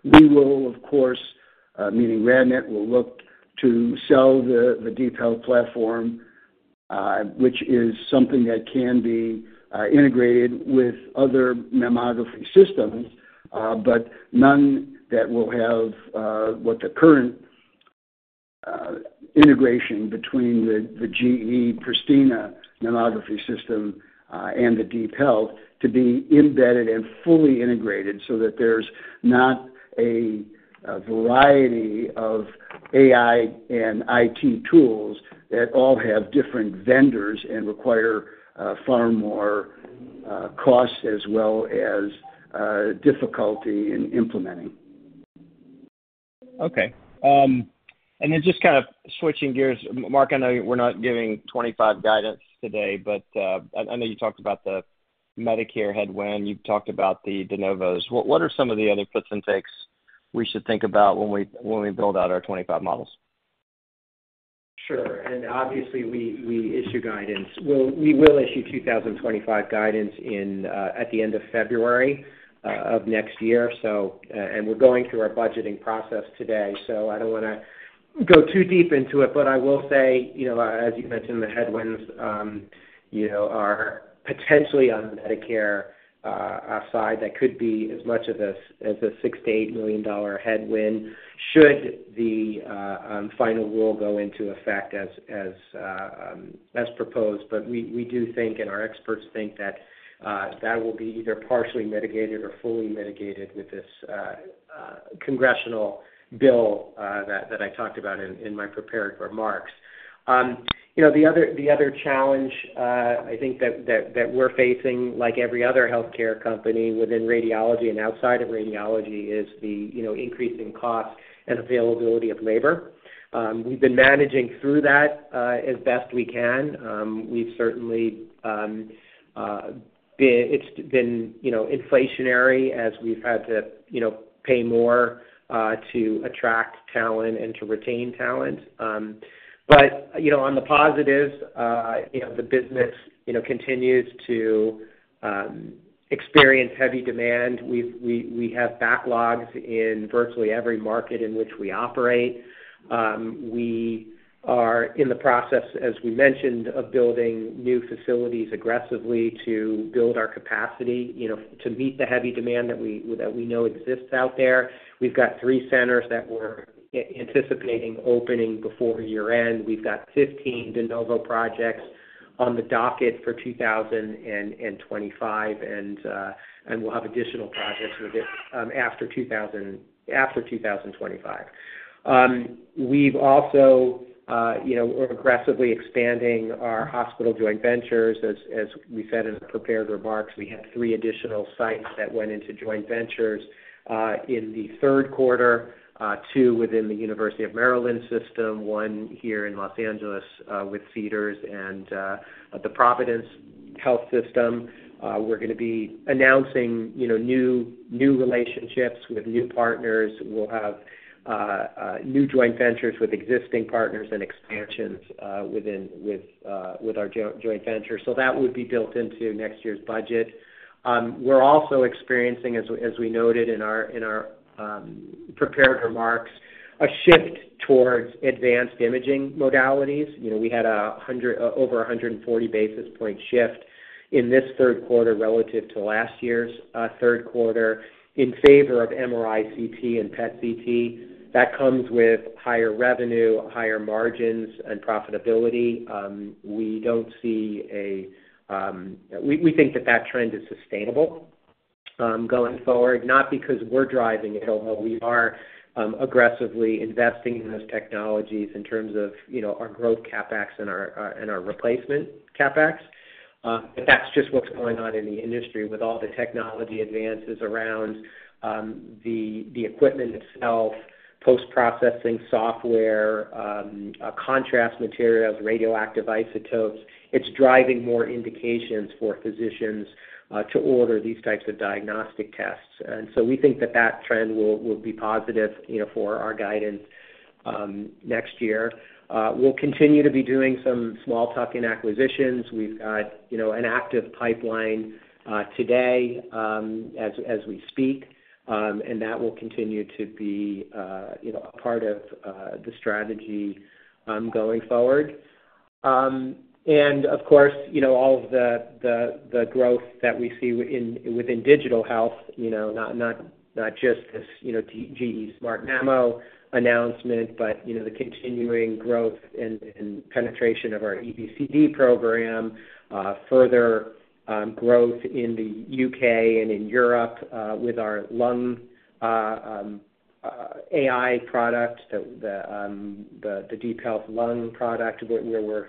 We will, of course, meaning RadNet will look to sell the DeepHealth platform, which is something that can be integrated with other mammography systems, but none that will have what the current integration between the GE Pristina mammography system and the DeepHealth to be embedded and fully integrated so that there's not a variety of AI and IT tools that all have different vendors and require far more cost as well as difficulty in implementing. Okay. And then just kind of switching gears, Mark, I know we're not giving 2025 guidance today, but I know you talked about the Medicare headwind. You've talked about the de novos. What are some of the other fits and takes we should think about when we build out our 2025 models? Sure. And obviously, we issue guidance. We will issue 2025 guidance at the end of February of next year. We're going through our budgeting process today. I don't want to go too deep into it, but I will say, as you mentioned, the headwinds are potentially on the Medicare side. That could be as much as a $6 million-$8 million headwind should the final rule go into effect as proposed. We do think, and our experts think, that that will be either partially mitigated or fully mitigated with this congressional bill that I talked about in my prepared remarks. The other challenge I think that we're facing, like every other healthcare company within radiology and outside of radiology, is the increasing cost and availability of labor. We've been managing through that as best we can. We've certainly been inflationary as we've had to pay more to attract talent and to retain talent. On the positives, the business continues to experience heavy demand. We have backlogs in virtually every market in which we operate. We are in the process, as we mentioned, of building new facilities aggressively to build our capacity to meet the heavy demand that we know exists out there. We've got three centers that we're anticipating opening before year-end. We've got 15 de novo projects on the docket for 2025, and we'll have additional projects after 2025. We've also aggressively expanding our hospital joint ventures. As we said in the prepared remarks, we had three additional sites that went into joint ventures in the third quarter: two within the University of Maryland Medical System, one here in Los Angeles with Cedars-Sinai and the Providence Health System. We're going to be announcing new relationships with new partners. We'll have new joint ventures with existing partners and expansions with our joint venture. So that would be built into next year's budget. We're also experiencing, as we noted in our prepared remarks, a shift towards advanced imaging modalities. We had over 140 basis points shift in this third quarter relative to last year's third quarter in favor of MRI CT and PET CT. That comes with higher revenue, higher margins, and profitability. We don't see a, we think that that trend is sustainable going forward, not because we're driving it, although we are aggressively investing in those technologies in terms of our growth CapEx and our replacement CapEx. But that's just what's going on in the industry with all the technology advances around the equipment itself, post-processing software, contrast materials, radioactive isotopes. It's driving more indications for physicians to order these types of diagnostic tests. And so we think that that trend will be positive for our guidance next year. We'll continue to be doing some small-tucking acquisitions. We've got an active pipeline today as we speak, and that will continue to be a part of the strategy going forward. And of course, all of the growth that we see within digital health, not just this GE SmartMammo announcement, but the continuing growth and penetration of our EBCD program, further growth in the UK and in Europe with our lung AI product, the DeepHealth lung product, where we're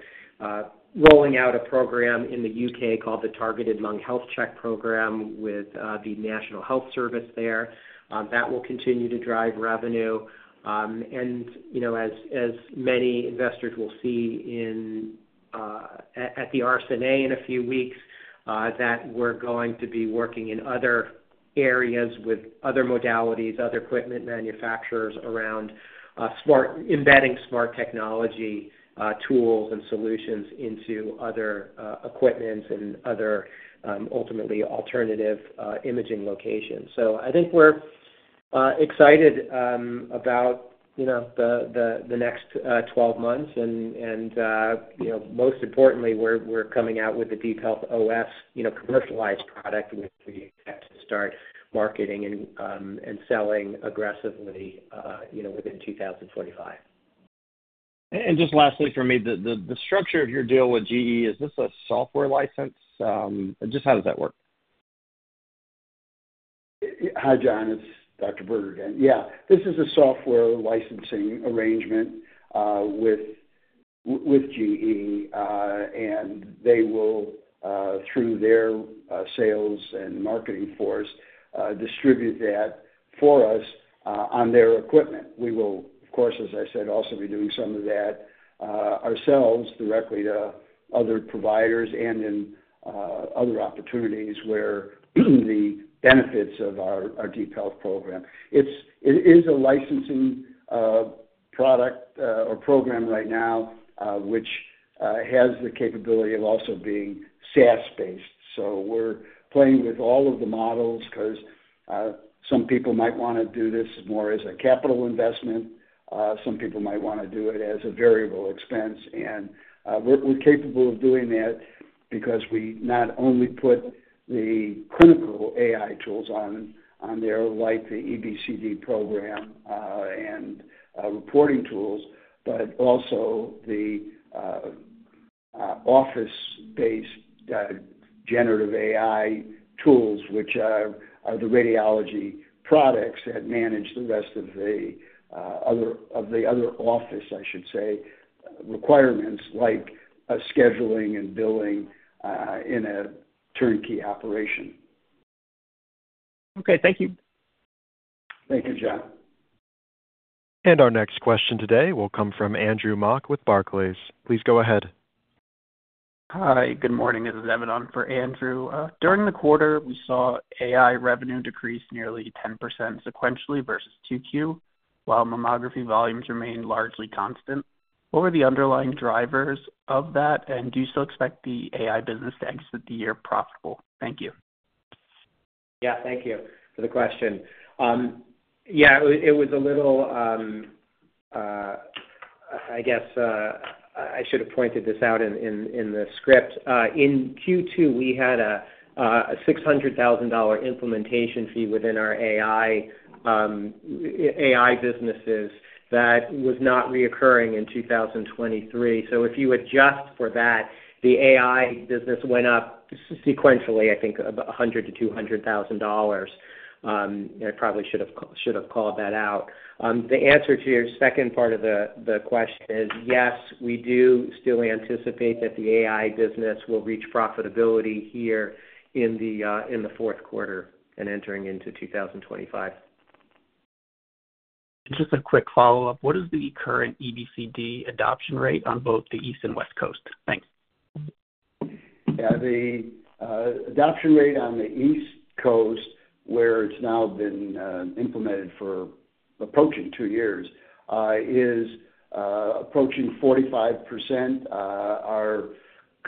rolling out a program in the UK called the Targeted Lung Health Check Program with the National Health Service there. That will continue to drive revenue. And as many investors will see at the RSNA in a few weeks, that we're going to be working in other areas with other modalities, other equipment manufacturers around embedding smart technology tools and solutions into other equipment and other ultimately alternative imaging locations. So I think we're excited about the next 12 months. And most importantly, we're coming out with the DeepHealth OS commercialized product, which we expect to start marketing and selling aggressively within 2025. And just lastly for me, the structure of your deal with GE, is this a software license? Just how does that work? Hi, John. It's Dr. Berger again. Yeah. This is a software licensing arrangement with GE, and they will, through their sales and marketing force, distribute that for us on their equipment. We will, of course, as I said, also be doing some of that ourselves directly to other providers and in other opportunities where the benefits of our DeepHealth program. It is a licensing product or program right now, which has the capability of also being SaaS-based. So we're playing with all of the models because some people might want to do this more as a capital investment. Some people might want to do it as a variable expense. And we're capable of doing that because we not only put the clinical AI tools on there, like the EBCD program and reporting tools, but also the office-based generative AI tools, which are the radiology products that manage the rest of the other office, I should say, requirements like scheduling and billing in a turnkey operation. Okay. Thank you. Thank you, John. And our next question today will come from Andrew Mok with Barclays. Please go ahead. Hi. Good morning. This is Evan on for Andrew. During the quarter, we saw AI revenue decrease nearly 10% sequentially versus Q2, while mammography volumes remained largely constant. What were the underlying drivers of that, and do you still expect the AI business to exit the year profitable? Thank you. Yeah. Thank you for the question. Yeah. It was a little, I guess I should have pointed this out in the script. In Q2, we had a $600,000 implementation fee within our AI businesses that was not recurring in 2023. So if you adjust for that, the AI business went up sequentially, I think, about $100,000-$200,000. I probably should have called that out. The answer to your second part of the question is yes, we do still anticipate that the AI business will reach profitability here in the fourth quarter and entering into 2025. And just a quick follow-up. What is the current EBCD adoption rate on both the East and West Coast? Thanks. Yeah. The adoption rate on the East Coast, where it's now been implemented for approaching two years, is approaching 45%.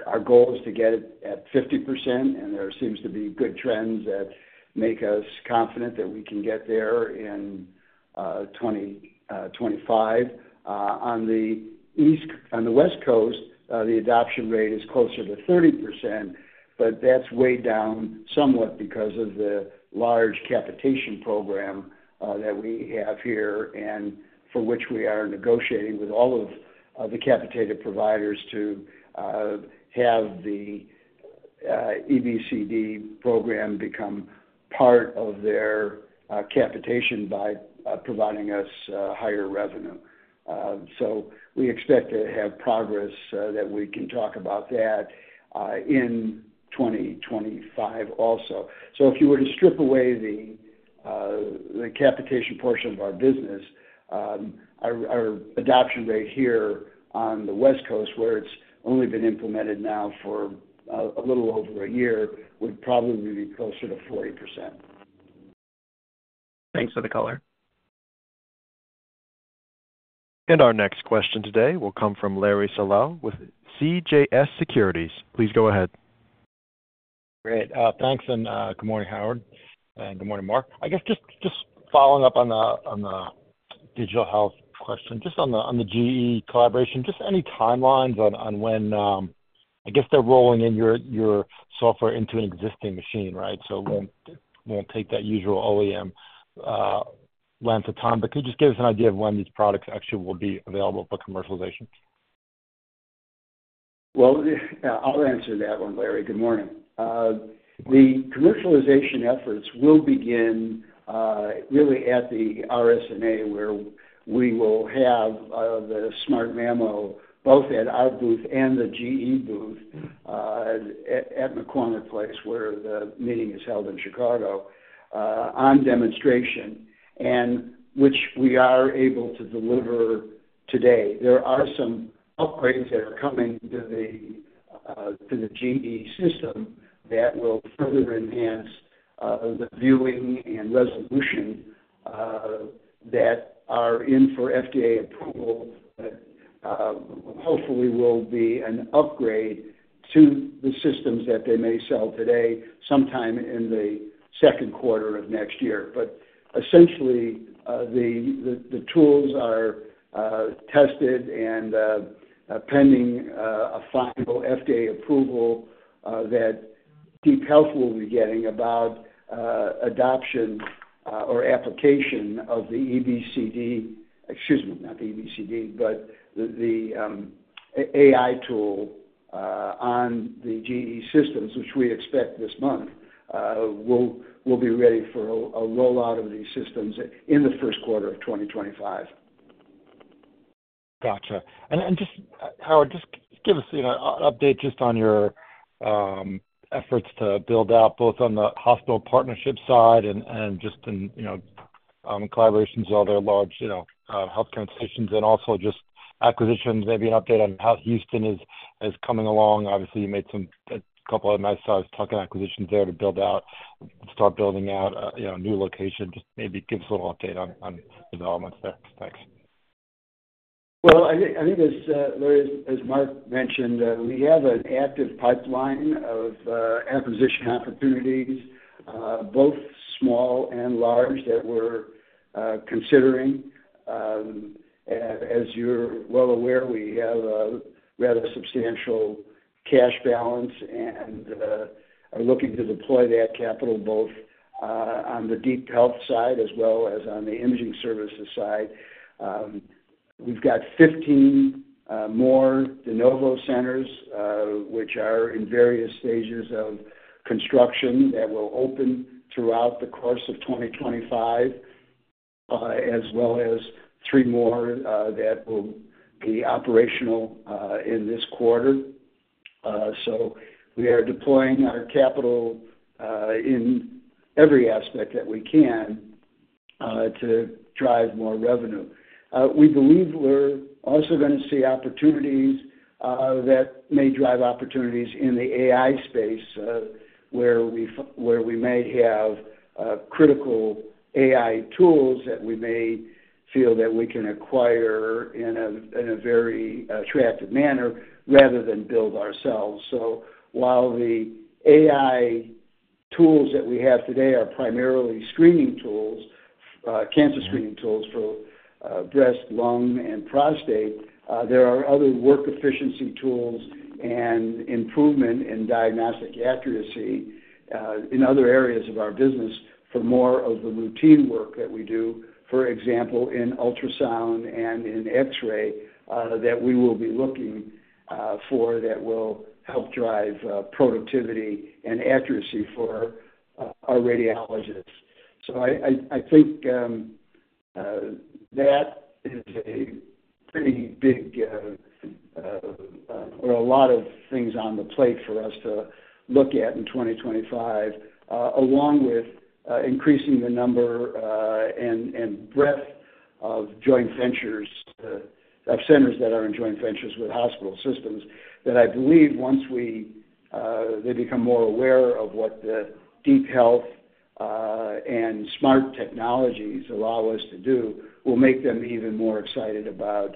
Our goal is to get it at 50%, and there seems to be good trends that make us confident that we can get there in 2025. On the West Coast, the adoption rate is closer to 30%, but that's weighed down somewhat because of the large capitation program that we have here and for which we are negotiating with all of the capitated providers to have the EBCD program become part of their capitation by providing us higher revenue. So we expect to have progress that we can talk about that in 2025 also. So if you were to strip away the capitation portion of our business, our adoption rate here on the West Coast, where it's only been implemented now for a little over a year, would probably be closer to 40%. Thanks for the color. And our next question today will come from Larry Solow with CJS Securities. Please go ahead. Great. Thanks. And good morning, Howard. And good morning, Mark. I guess just following up on the digital health question, just on the GE collaboration, just any timelines on when I guess they're rolling in your software into an existing machine, right? So it won't take that usual OEM length of time. But could you just give us an idea of when these products actually will be available for commercialization? Well, I'll answer that one, Larry. Good morning. The commercialization efforts will begin really at the RSNA, where we will have the SmartMammo both at our booth and the GE booth at McCormick Place, where the meeting is held in Chicago, on demonstration, which we are able to deliver today. There are some upgrades that are coming to the GE system that will further enhance the viewing and resolution that are in for FDA approval, but hopefully will be an upgrade to the systems that they may sell today sometime in the second quarter of next year. But essentially, the tools are tested and pending a final FDA approval that DeepHealth will be getting about adoption or application of the EBCD, excuse me, not the EBCD, but the AI tool on the GE systems, which we expect this month will be ready for a rollout of these systems in the first quarter of 2025. Gotcha. Just, Howard, just give us an update just on your efforts to build out both on the hospital partnership side and just in collaborations with other large healthcare institutions and also just acquisitions. Maybe an update on how Houston is coming along. Obviously, you made a couple of nice tuck-in acquisitions there to build out, start building out a new location. Just maybe give us a little update on developments there. Thanks. Well, I think, Larry, as Mark mentioned, we have an active pipeline of acquisition opportunities, both small and large, that we're considering. As you're well aware, we have a rather substantial cash balance and are looking to deploy that capital both on the DeepHealth side as well as on the imaging services side. We've got 15 more De Novo centers, which are in various stages of construction that will open throughout the course of 2025, as well as three more that will be operational in this quarter. So we are deploying our capital in every aspect that we can to drive more revenue. We believe we're also going to see opportunities that may drive opportunities in the AI space, where we may have critical AI tools that we may feel that we can acquire in a very attractive manner rather than build ourselves. While the AI tools that we have today are primarily screening tools, cancer screening tools for breast, lung, and prostate, there are other work efficiency tools and improvement in diagnostic accuracy in other areas of our business for more of the routine work that we do, for example, in ultrasound and in X-ray that we will be looking for that will help drive productivity and accuracy for our radiologists. So, I think that is a pretty big or a lot of things on the plate for us to look at in 2025, along with increasing the number and breadth of joint ventures of centers that are in joint ventures with hospital systems that I believe once they become more aware of what the DeepHealth and smart technologies allow us to do, will make them even more excited about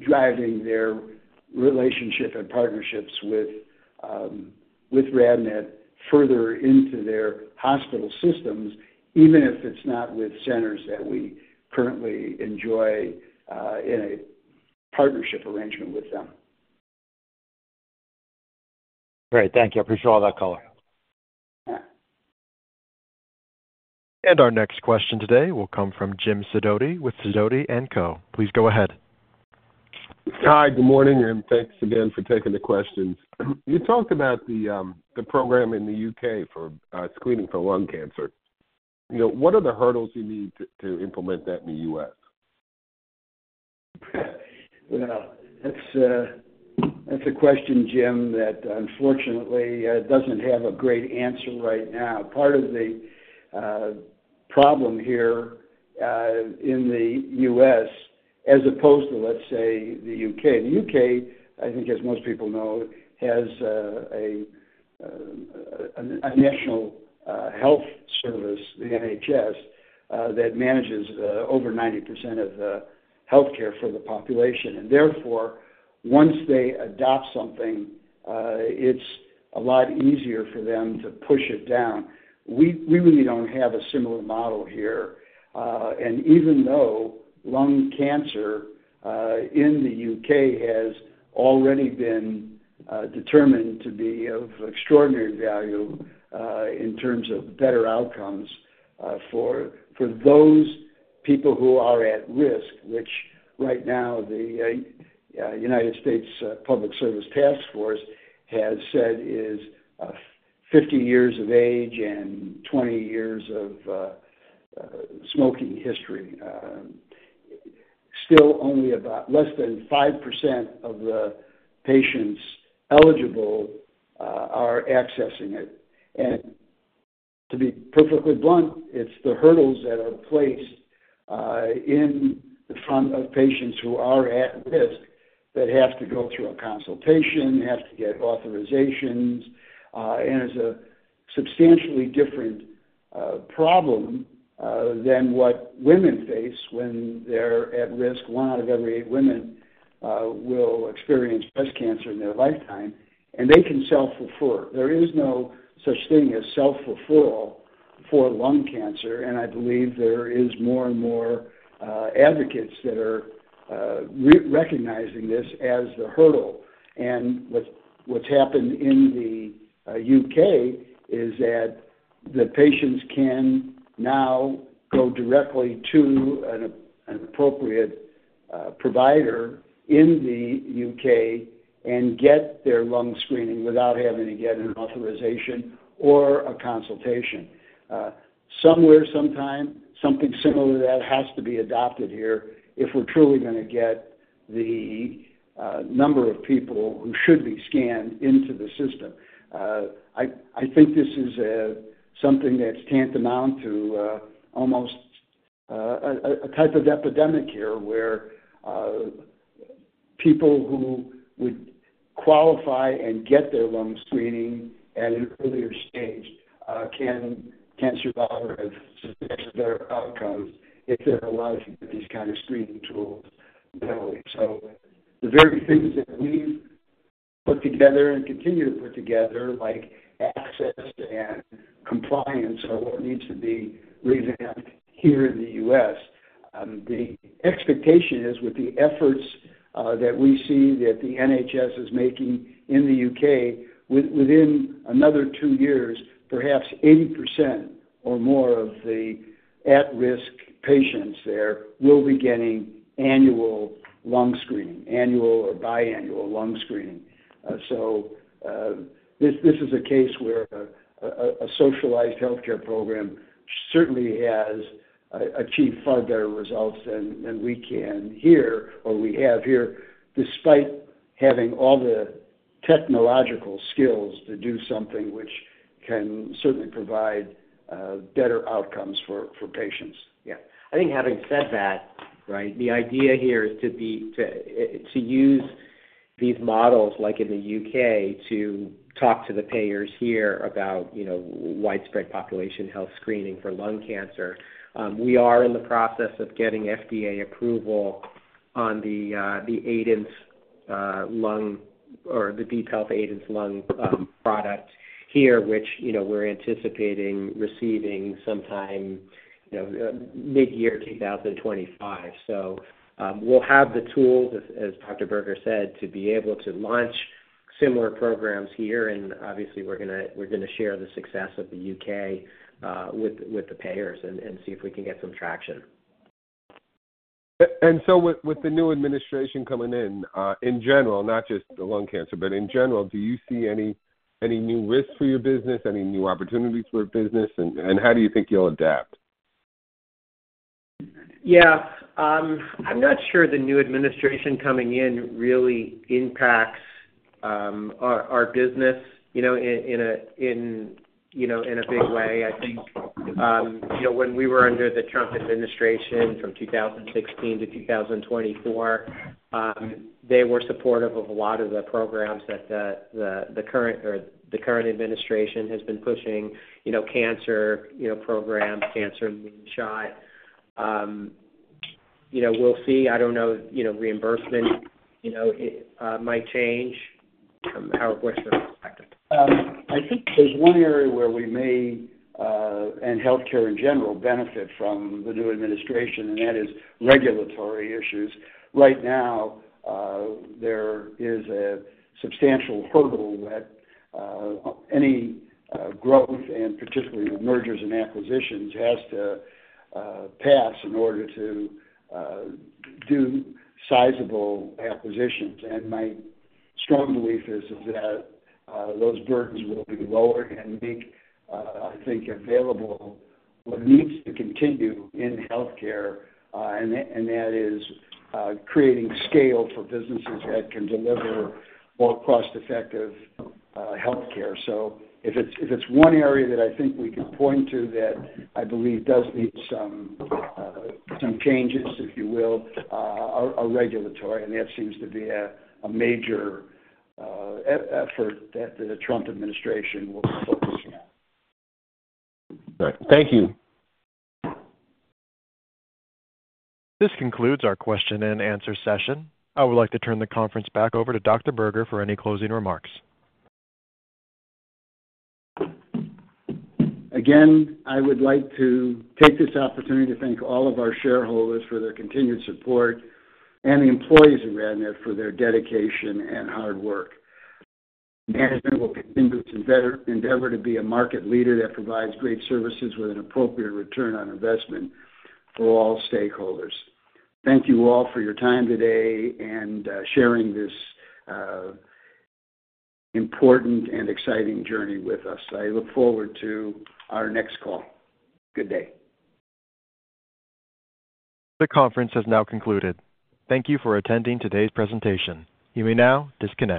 driving their relationship and partnerships with RadNet further into their hospital systems, even if it's not with centers that we currently enjoy in a partnership arrangement with them. Great. Thank you. I appreciate all that color. And our next question today will come from James Sidoti with Sidoti & Co. Please go ahead. Hi. Good morning. And thanks again for taking the questions. You talked about the program in the UK for screening for lung cancer. What are the hurdles you need to implement that in the U.S.? Well, that's a question, James, that unfortunately doesn't have a great answer right now. Part of the problem here in the U.S., as opposed to, let's say, the U.K., I think, as most people know, has a national health service, the NHS, that manages over 90% of the healthcare for the population. Therefore, once they adopt something, it's a lot easier for them to push it down. We really don't have a similar model here. Even though lung cancer in the U.K. has already been determined to be of extraordinary value in terms of better outcomes for those people who are at risk, which right now the United States Preventive Services Task Force has said is 50 years of age and 20 years of smoking history, still only about less than 5% of the patients eligible are accessing it. To be perfectly blunt, it's the hurdles that are placed in the front of patients who are at risk that have to go through a consultation, have to get authorizations, and is a substantially different problem than what women face when they're at risk. One out of every eight women will experience breast cancer in their lifetime, and they can self-refer it. There is no such thing as self-referral for lung cancer. I believe there are more and more advocates that are recognizing this as the hurdle. What's happened in the UK is that the patients can now go directly to an appropriate provider in the UK and get their lung screening without having to get an authorization or a consultation. Somewhere, sometime, something similar to that has to be adopted here if we're truly going to get the number of people who should be scanned into the system. I think this is something that's tantamount to almost a type of epidemic here where people who would qualify and get their lung screening at an earlier stage can survive or have substantial better outcomes if they're allowed to get these kinds of screening tools early. So the very things that we've put together and continue to put together, like access and compliance, are what needs to be revamped here in the U.S. The expectation is, with the efforts that we see that the NHS is making in the U.K., within another two years, perhaps 80% or more of the at-risk patients there will be getting annual lung screening, annual or biannual lung screening. So this is a case where a socialized healthcare program certainly has achieved far better results than we can here or we have here, despite having all the technological skills to do something which can certainly provide better outcomes for patients. Yeah. I think having said that, right, the idea here is to use these models like in the U.K. to talk to the payers here about widespread population health screening for lung cancer. We are in the process of getting FDA approval on the DeepHealth Aidence lung product here, which we're anticipating receiving sometime mid-year 2025. So we'll have the tools, as Dr. Berger said, to be able to launch similar programs here. And obviously, we're going to share the success of the UK with the payers and see if we can get some traction. And so with the new administration coming in, in general, not just the lung cancer, but in general, do you see any new risks for your business, any new opportunities for your business? And how do you think you'll adapt? Yeah. I'm not sure the new administration coming in really impacts our business in a big way. I think when we were under the Trump administration from 2016 to 2024, they were supportive of a lot of the programs that the current administration has been pushing: cancer program, cancer shot. We'll see. I don't know. Reimbursement might change from Howard Berger's perspective. I think there's one area where we may, and healthcare in general, benefit from the new administration, and that is regulatory issues. Right now, there is a substantial hurdle that any growth, and particularly mergers and acquisitions, has to pass in order to do sizable acquisitions, and my strong belief is that those burdens will be lowered and make, I think, available what needs to continue in healthcare, and that is creating scale for businesses that can deliver more cost-effective healthcare. So if it's one area that I think we can point to that I believe does need some changes, if you will, are regulatory. That seems to be a major effort that the Trump administration will be focusing on. All right. Thank you. This concludes our question and answer session. I would like to turn the conference back over to Dr. Berger for any closing remarks. Again, I would like to take this opportunity to thank all of our shareholders for their continued support and the employees of RadNet for their dedication and hard work. Management will continue to endeavor to be a market leader that provides great services with an appropriate return on investment for all stakeholders. Thank you all for your time today and sharing this important and exciting journey with us. I look forward to our next call. Good day. The conference has now concluded. Thank you for attending today's presentation. You may now disconnect.